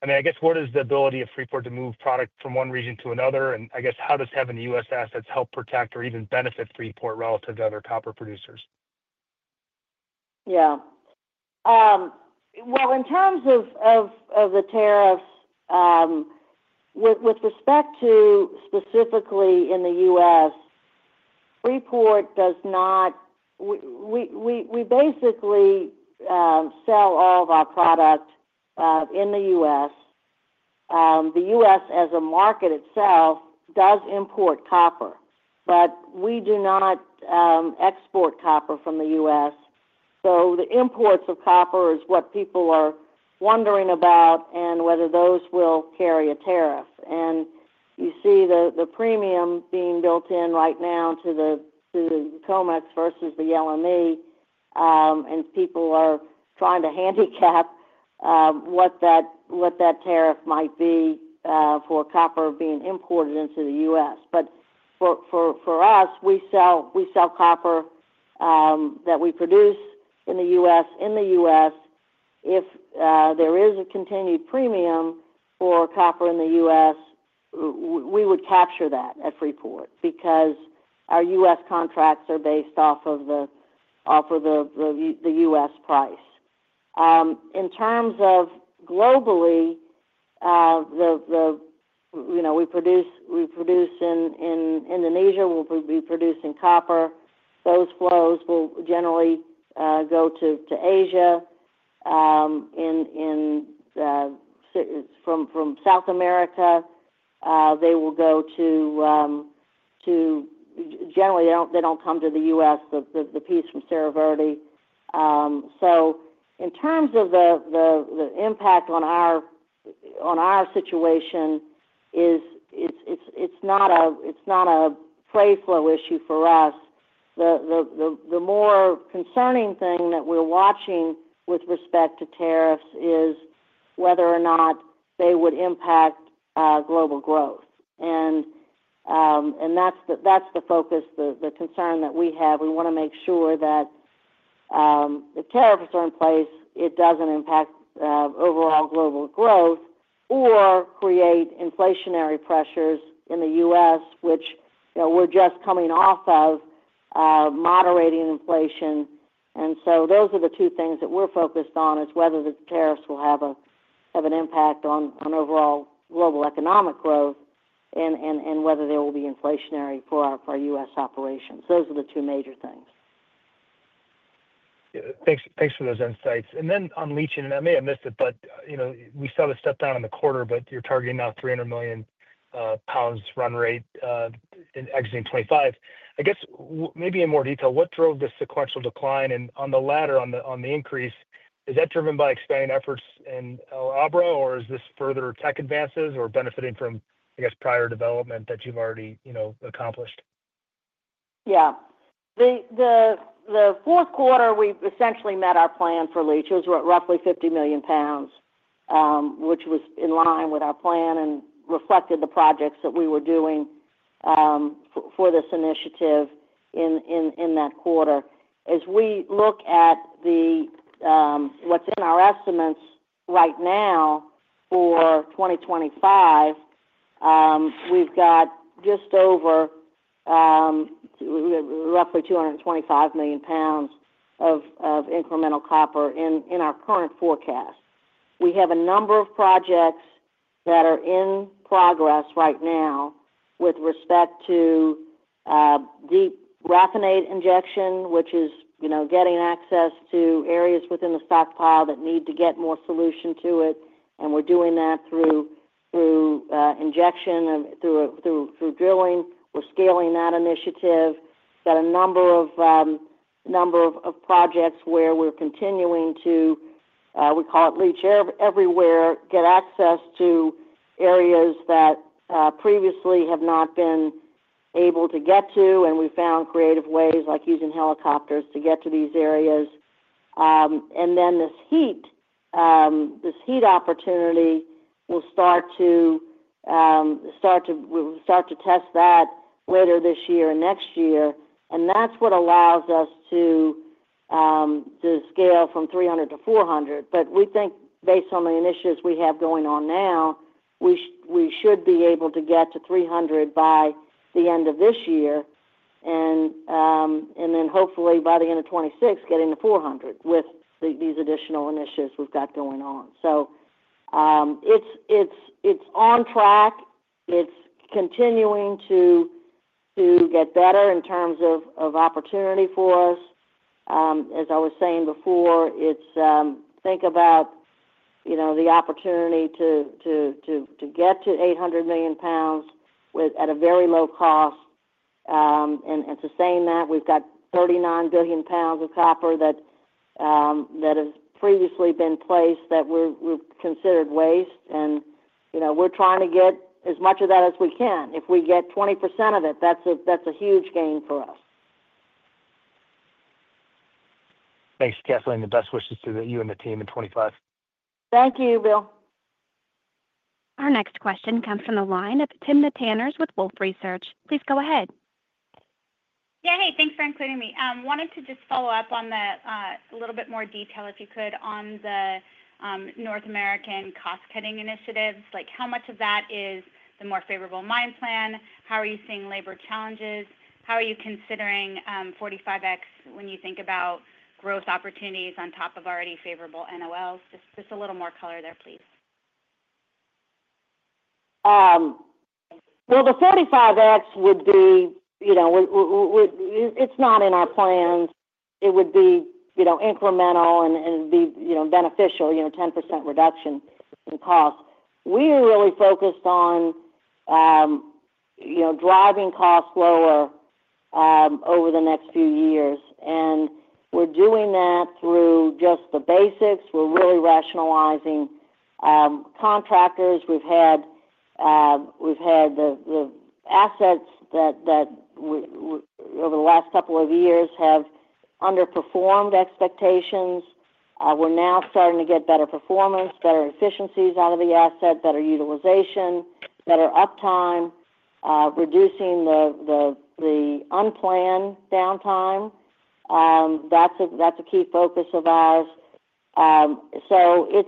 I mean, I guess, what is the ability of Freeport to move product from one region to another? And I guess, how does having U.S. assets help protect or even benefit Freeport relative to other copper producers? Yeah. Well, in terms of the tariffs, with respect to specifically in the U.S., Freeport does not we basically sell all of our product in the U.S. The U.S., as a market itself, does import copper, but we do not export copper from the U.S. So the imports of copper is what people are wondering about and whether those will carry a tariff. You see the premium being built in right now to the COMEX versus the LME, and people are trying to handicap what that tariff might be for copper being imported into the U.S. For us, we sell copper that we produce in the U.S. in the U.S. If there is a continued premium for copper in the U.S., we would capture that at Freeport because our U.S. contracts are based off of the U.S. price. In terms of globally, we produce in Indonesia, we'll be producing copper. Those flows will generally go to Asia from South America. They will go to generally, they don't come to the U.S., the piece from Cerro Verde. In terms of the impact on our situation, it's not a metal flow issue for us. The more concerning thing that we're watching with respect to tariffs is whether or not they would impact global growth, and that's the focus, the concern that we have. We want to make sure that if tariffs are in place, it doesn't impact overall global growth or create inflationary pressures in the U.S., which we're just coming off of moderating inflation, and so those are the two things that we're focused on, is whether the tariffs will have an impact on overall global economic growth and whether there will be inflationary for our U.S. operations. Those are the two major things. Thanks for those insights, and then on leaching, and I may have missed it, but we saw the step down in the quarter, but you're targeting now 300 million pounds run rate in exiting 2025. I guess, maybe in more detail, what drove the sequential decline? On the latter, on the increase, is that driven by expanding efforts in El Abra, or is this further tech advances or benefiting from, I guess, prior development that you've already accomplished? Yeah. The fourth quarter, we essentially met our plan for leach. It was roughly 50 million pounds, which was in line with our plan and reflected the projects that we were doing for this initiative in that quarter. As we look at what's in our estimates right now for 2025, we've got just over roughly 225 million pounds of incremental copper in our current forecast. We have a number of projects that are in progress right now with respect to deep raffinate injection, which is getting access to areas within the stockpile that need to get more solution to it. We're doing that through injection, through drilling. We're scaling that initiative. We've got a number of projects where we're continuing to, we call it leach everywhere, get access to areas that previously have not been able to get to, and we found creative ways, like using helicopters, to get to these areas. And then this heap opportunity will start to, we'll start to test that later this year and next year, and that's what allows us to scale from 300 to 400, but we think, based on the initiatives we have going on now, we should be able to get to 300 by the end of this year, and then hopefully, by the end of 2026, getting to 400 with these additional initiatives we've got going on, so it's on track. It's continuing to get better in terms of opportunity for us. As I was saying before, think about the opportunity to get to 800 million pounds at a very low cost and sustain that. We've got 39 billion pounds of copper that has previously been placed that we've considered waste. And we're trying to get as much of that as we can. If we get 20% of it, that's a huge gain for us. Thanks, Kathleen. The best wishes to you and the team in 2025. Thank you, William. Our next question comes from the line of Timna Tanners with Wolfe Research. Please go ahead. Yeah. Hey, thanks for including me. Wanted to just follow up on that a little bit more detail, if you could, on the North American cost-cutting initiatives. How much of that is the more favorable mine plan? How are you seeing labor challenges? How are you considering 45X when you think about growth opportunities on top of already favorable NOLs? Just a little more color there, please. The 45X would be, it's not in our plans. It would be incremental and be beneficial, 10% reduction in cost. We are really focused on driving costs lower over the next few years. And we're doing that through just the basics. We're really rationalizing contractors. We've had the assets that, over the last couple of years, have underperformed expectations. We're now starting to get better performance, better efficiencies out of the asset, better utilization, better uptime, reducing the unplanned downtime. That's a key focus of ours. So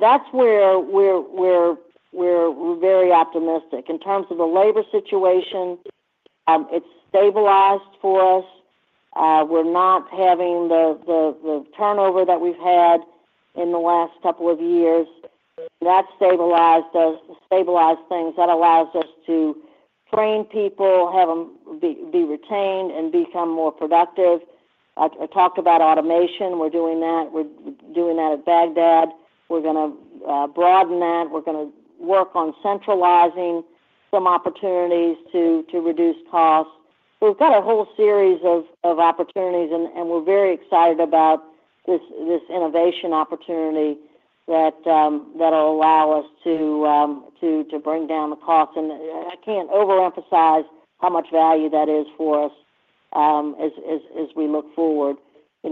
that's where we're very optimistic. In terms of the labor situation, it's stabilized for us. We're not having the turnover that we've had in the last couple of years. That's stabilized things. That allows us to train people, have them be retained, and become more productive. I talked about automation. We're doing that. We're doing that at Bagdad. We're going to broaden that. We're going to work on centralizing some opportunities to reduce costs. We've got a whole series of opportunities, and we're very excited about this innovation opportunity that will allow us to bring down the cost, and I can't overemphasize how much value that is for us as we look forward. The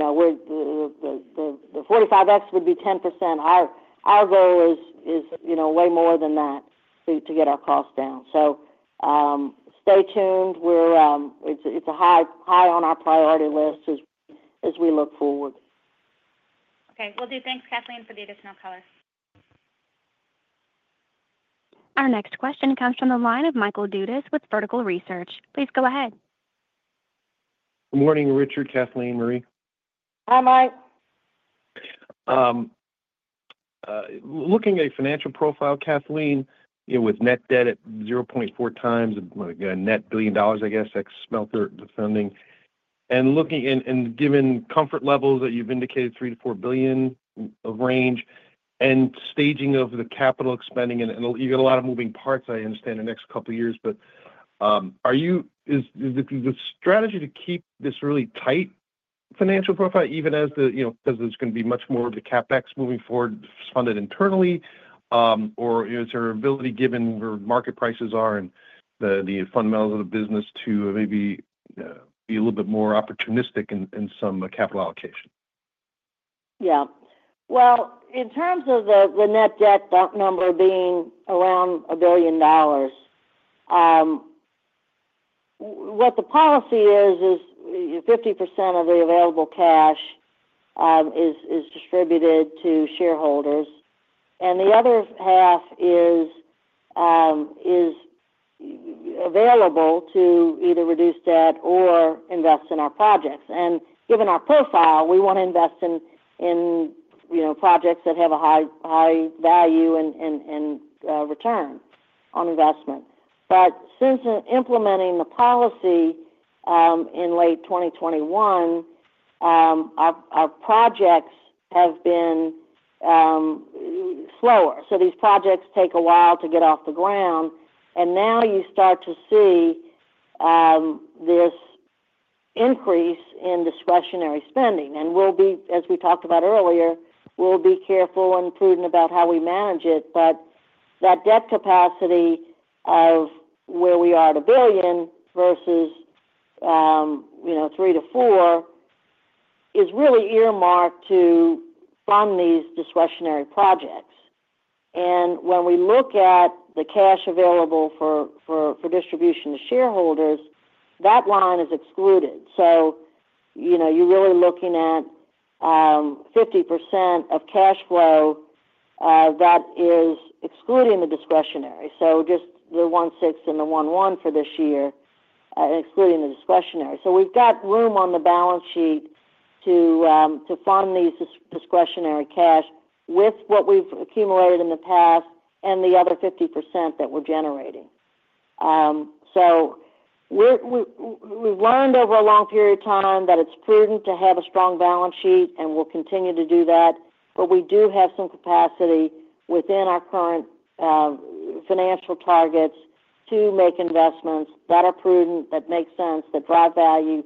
45X would be 10%. Our goal is way more than that to get our costs down, so stay tuned. It's high on our priority list as we look forward. Okay. Will do. Thanks, Kathleen, for the additional color. Our next question comes from the line of Michael Dudas with Vertical Research. Please go ahead. Good morning, Richard. Kathleen, Maree. Hi, Mike. Looking at a financial profile, Kathleen, with net debt at 0.4 times net $1 billion, I guess, ex-smelter funding, and given comfort levels that you've indicated, $3-$4 billion range and staging of the capital spending, and you've got a lot of moving parts, I understand, in the next couple of years. But is the strategy to keep this really tight financial profile, even as there's going to be much more of the CapEx moving forward funded internally? Or is there a reality, given where market prices are and the fundamentals of the business, to maybe be a little bit more opportunistic in some capital allocation? Yeah. In terms of the net debt number being around $1 billion, what the policy is, is 50% of the available cash is distributed to shareholders. The other half is available to either reduce debt or invest in our projects. Given our profile, we want to invest in projects that have a high value and return on investment. But since implementing the policy in late 2021, our projects have been slower. These projects take a while to get off the ground. Now you start to see this increase in discretionary spending. As we talked about earlier, we'll be careful and prudent about how we manage it. That debt capacity of where we are at $1 billion versus $3-$4 billion is really earmarked to fund these discretionary projects. When we look at the cash available for distribution to shareholders, that line is excluded. You're really looking at 50% of cash flow that is excluding the discretionary. So just the one-sixth and the one-one for this year, excluding the discretionary. So we've got room on the balance sheet to fund these discretionary cash with what we've accumulated in the past and the other 50% that we're generating. So we've learned over a long period of time that it's prudent to have a strong balance sheet, and we'll continue to do that. But we do have some capacity within our current financial targets to make investments that are prudent, that make sense, that drive value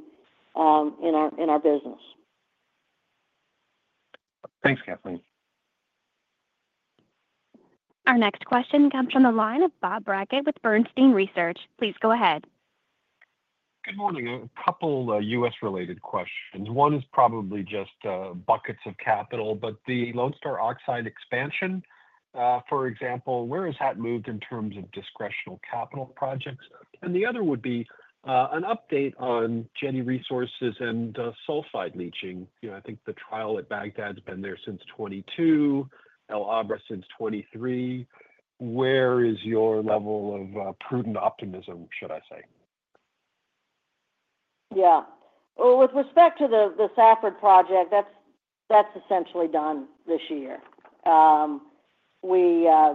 in our business. Thanks, Kathleen. Our next question comes from the line of Bob Brackett with Bernstein Research. Please go ahead. Good morning. A couple of U.S.-related questions. One is probably just buckets of capital. But the Lone Star oxide expansion, for example, where has that moved in terms of discretionary capital projects? And the other would be an update on Jetti Resources and sulfide leaching. I think the trial at Bagdad's been there since 2022, El Abra since 2023. Where is your level of prudent optimism, should I say? Yeah. Well, with respect to the Safford project, that's essentially done this year. We're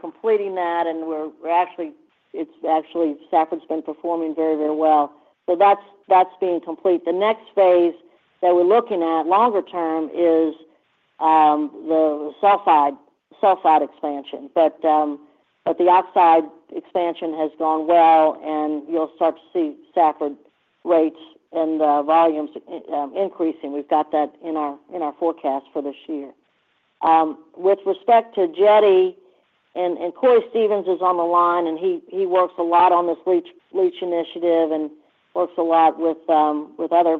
completing that. And it's actually Safford's been performing very, very well. So that's being complete. The next phase that we're looking at longer term is the sulfide expansion. But the oxide expansion has gone well, and you'll start to see Safford rates and volumes increasing. We've got that in our forecast for this year. With respect to Jetti, and Cory Stevens is on the line, and he works a lot on this leach initiative and works a lot with other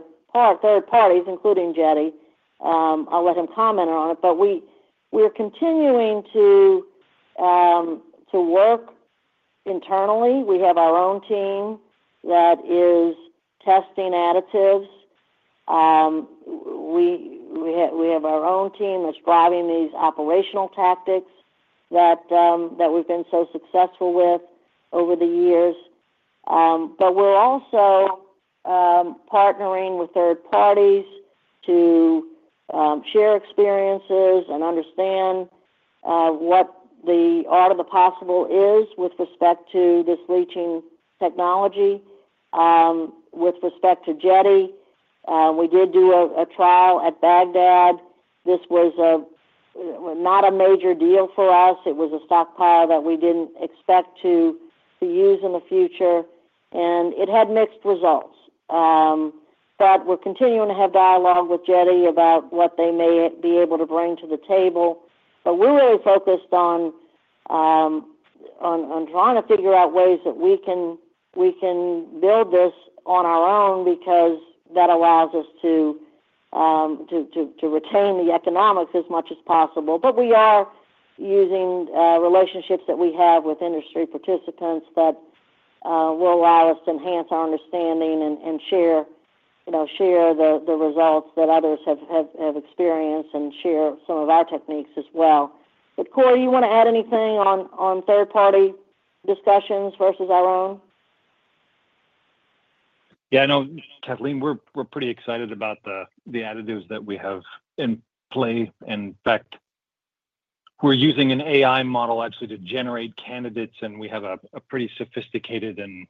third parties, including Jetti. I'll let him comment on it. But we're continuing to work internally. We have our own team that is testing additives. We have our own team that's driving these operational tactics that we've been so successful with over the years. But we're also partnering with third parties to share experiences and understand what the art of the possible is with respect to this leaching technology. With respect to Jetti, we did do a trial at Bagdad. This was not a major deal for us. It was a stockpile that we didn't expect to use in the future. And it had mixed results. But we're continuing to have dialogue with Jetti about what they may be able to bring to the table. But we're really focused on trying to figure out ways that we can build this on our own because that allows us to retain the economics as much as possible. But we are using relationships that we have with industry participants that will allow us to enhance our understanding and share the results that others have experienced and share some of our techniques as well. But Cory, you want to add anything on third-party discussions versus our own? Yeah. No, Kathleen, we're pretty excited about the additives that we have in play. In fact, we're using an AI model, actually, to generate candidates. And we have a pretty sophisticated and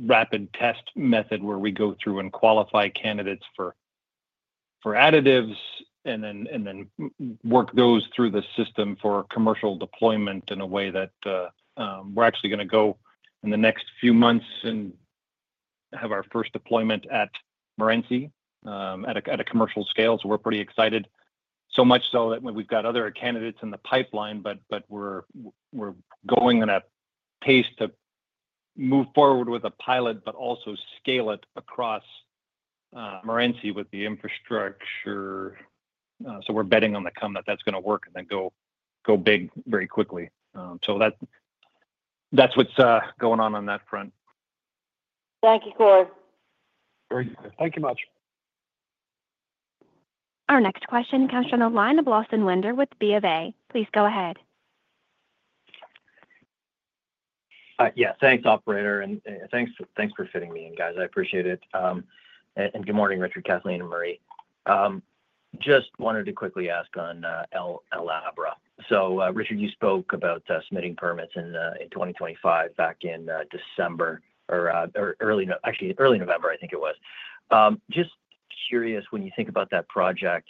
rapid test method where we go through and qualify candidates for additives and then work those through the system for commercial deployment in a way that we're actually going to go in the next few months and have our first deployment at Morenci at a commercial scale. So we're pretty excited, so much so that we've got other candidates in the pipeline. But we're going at a pace to move forward with a pilot, but also scale it across Morenci with the infrastructure. So we're betting on the come that that's going to work and then go big very quickly. So that's what's going on on that front. Thank you, Cory. Thank you much. Our next question comes from the line of Lawson Winder with B of A. Please go ahead. Yeah. Thanks, operator. And thanks for fitting me in, guys. I appreciate it. And good morning, Richard, Kathleen, and Maree. Just wanted to quickly ask on El Abra. So, Richard, you spoke about submitting permits in 2025 back in December or early, actually, early November, I think it was. Just curious, when you think about that project,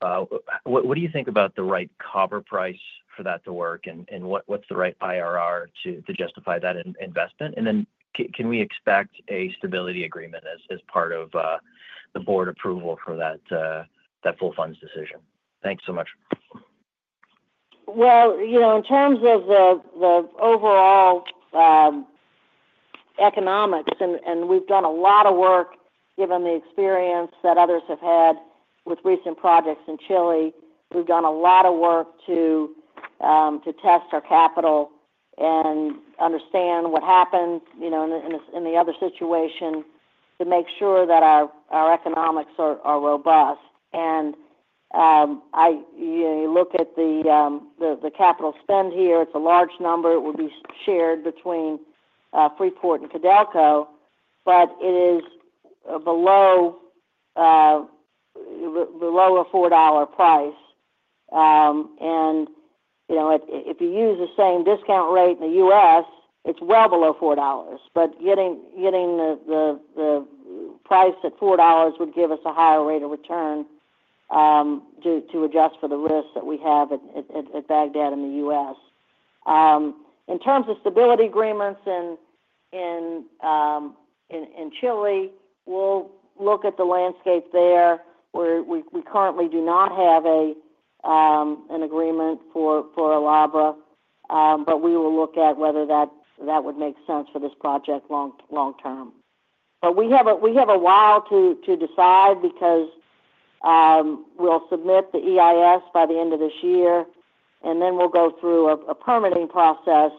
what do you think about the right copper price for that to work? And what's the right IRR to justify that investment? Can we expect a stability agreement as part of the board approval for that full funds decision? Thanks so much. In terms of the overall economics, and we've done a lot of work given the experience that others have had with recent projects in Chile. We've done a lot of work to test our capital and understand what happened in the other situation to make sure that our economics are robust. You look at the capital spend here. It's a large number. It will be shared between Freeport and Codelco. It is below a $4 price. If you use the same discount rate in the US, it's well below $4. Getting the price at $4 would give us a higher rate of return to adjust for the risks that we have at Bagdad in the US. In terms of stability agreements in Chile, we'll look at the landscape there. We currently do not have an agreement for El Abra. But we will look at whether that would make sense for this project long term. But we have a while to decide because we'll submit the EIS by the end of this year. And then we'll go through a permitting process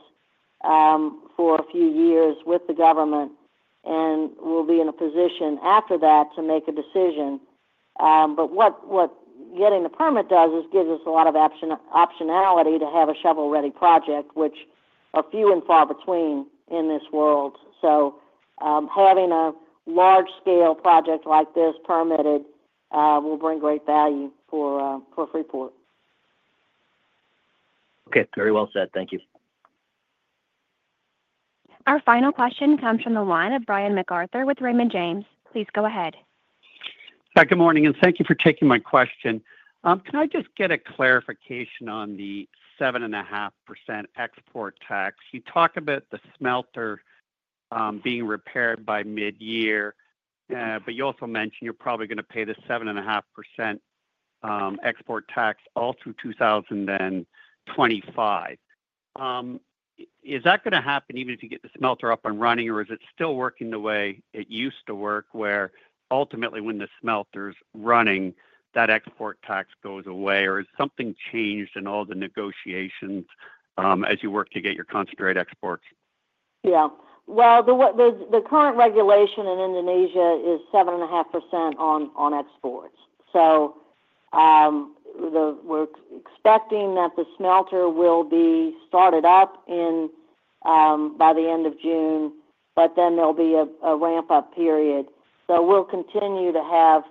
for a few years with the government. And we'll be in a position after that to make a decision. But what getting the permit does is gives us a lot of optionality to have a shovel-ready project, which are few and far between in this world. So having a large-scale project like this permitted will bring great value for Freeport. Okay. Very well said. Thank you. Our final question comes from the line of Brian MacArthur with Raymond James. Please go ahead. Hi, good morning. And thank you for taking my question. Can I just get a clarification on the 7.5% export tax? You talk about the smelter being repaired by mid-year. But you also mentioned you're probably going to pay the 7.5% export tax all through 2025. Is that going to happen even if you get the smelter up and running? Or is it still working the way it used to work where ultimately, when the smelter's running, that export tax goes away? Or has something changed in all the negotiations as you work to get your concentrated exports? Yeah. Well, the current regulation in Indonesia is 7.5% on exports. So we're expecting that the smelter will be started up by the end of June. But then there'll be a ramp-up period. So we'll continue to have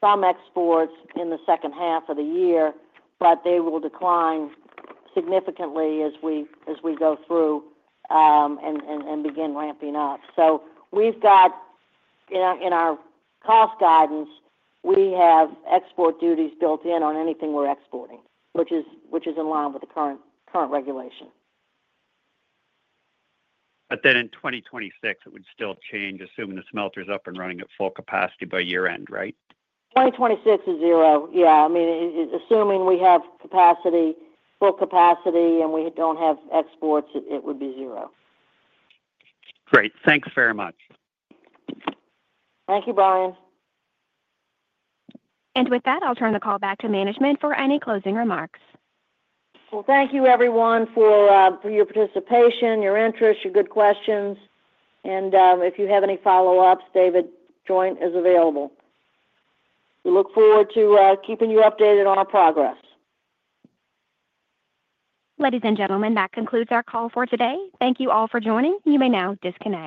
some exports in the second half of the year. But they will decline significantly as we go through and begin ramping up. So in our cost guidance, we have export duties built in on anything we're exporting, which is in line with the current regulation. But then in 2026, it would still change, assuming the smelter's up and running at full capacity by year-end, right? 2026 is zero. Yeah. I mean, assuming we have full capacity and we don't have exports, it would be zero. Great. Thanks very much. Thank you, Brian. And with that, I'll turn the call back to management for any closing remarks. Well, thank you, everyone, for your participation, your interest, your good questions. And if you have any follow-ups, David Joint is available. We look forward to keeping you updated on our progress. Ladies and gentlemen, that concludes our call for today. Thank you all for joining. You may now disconnect.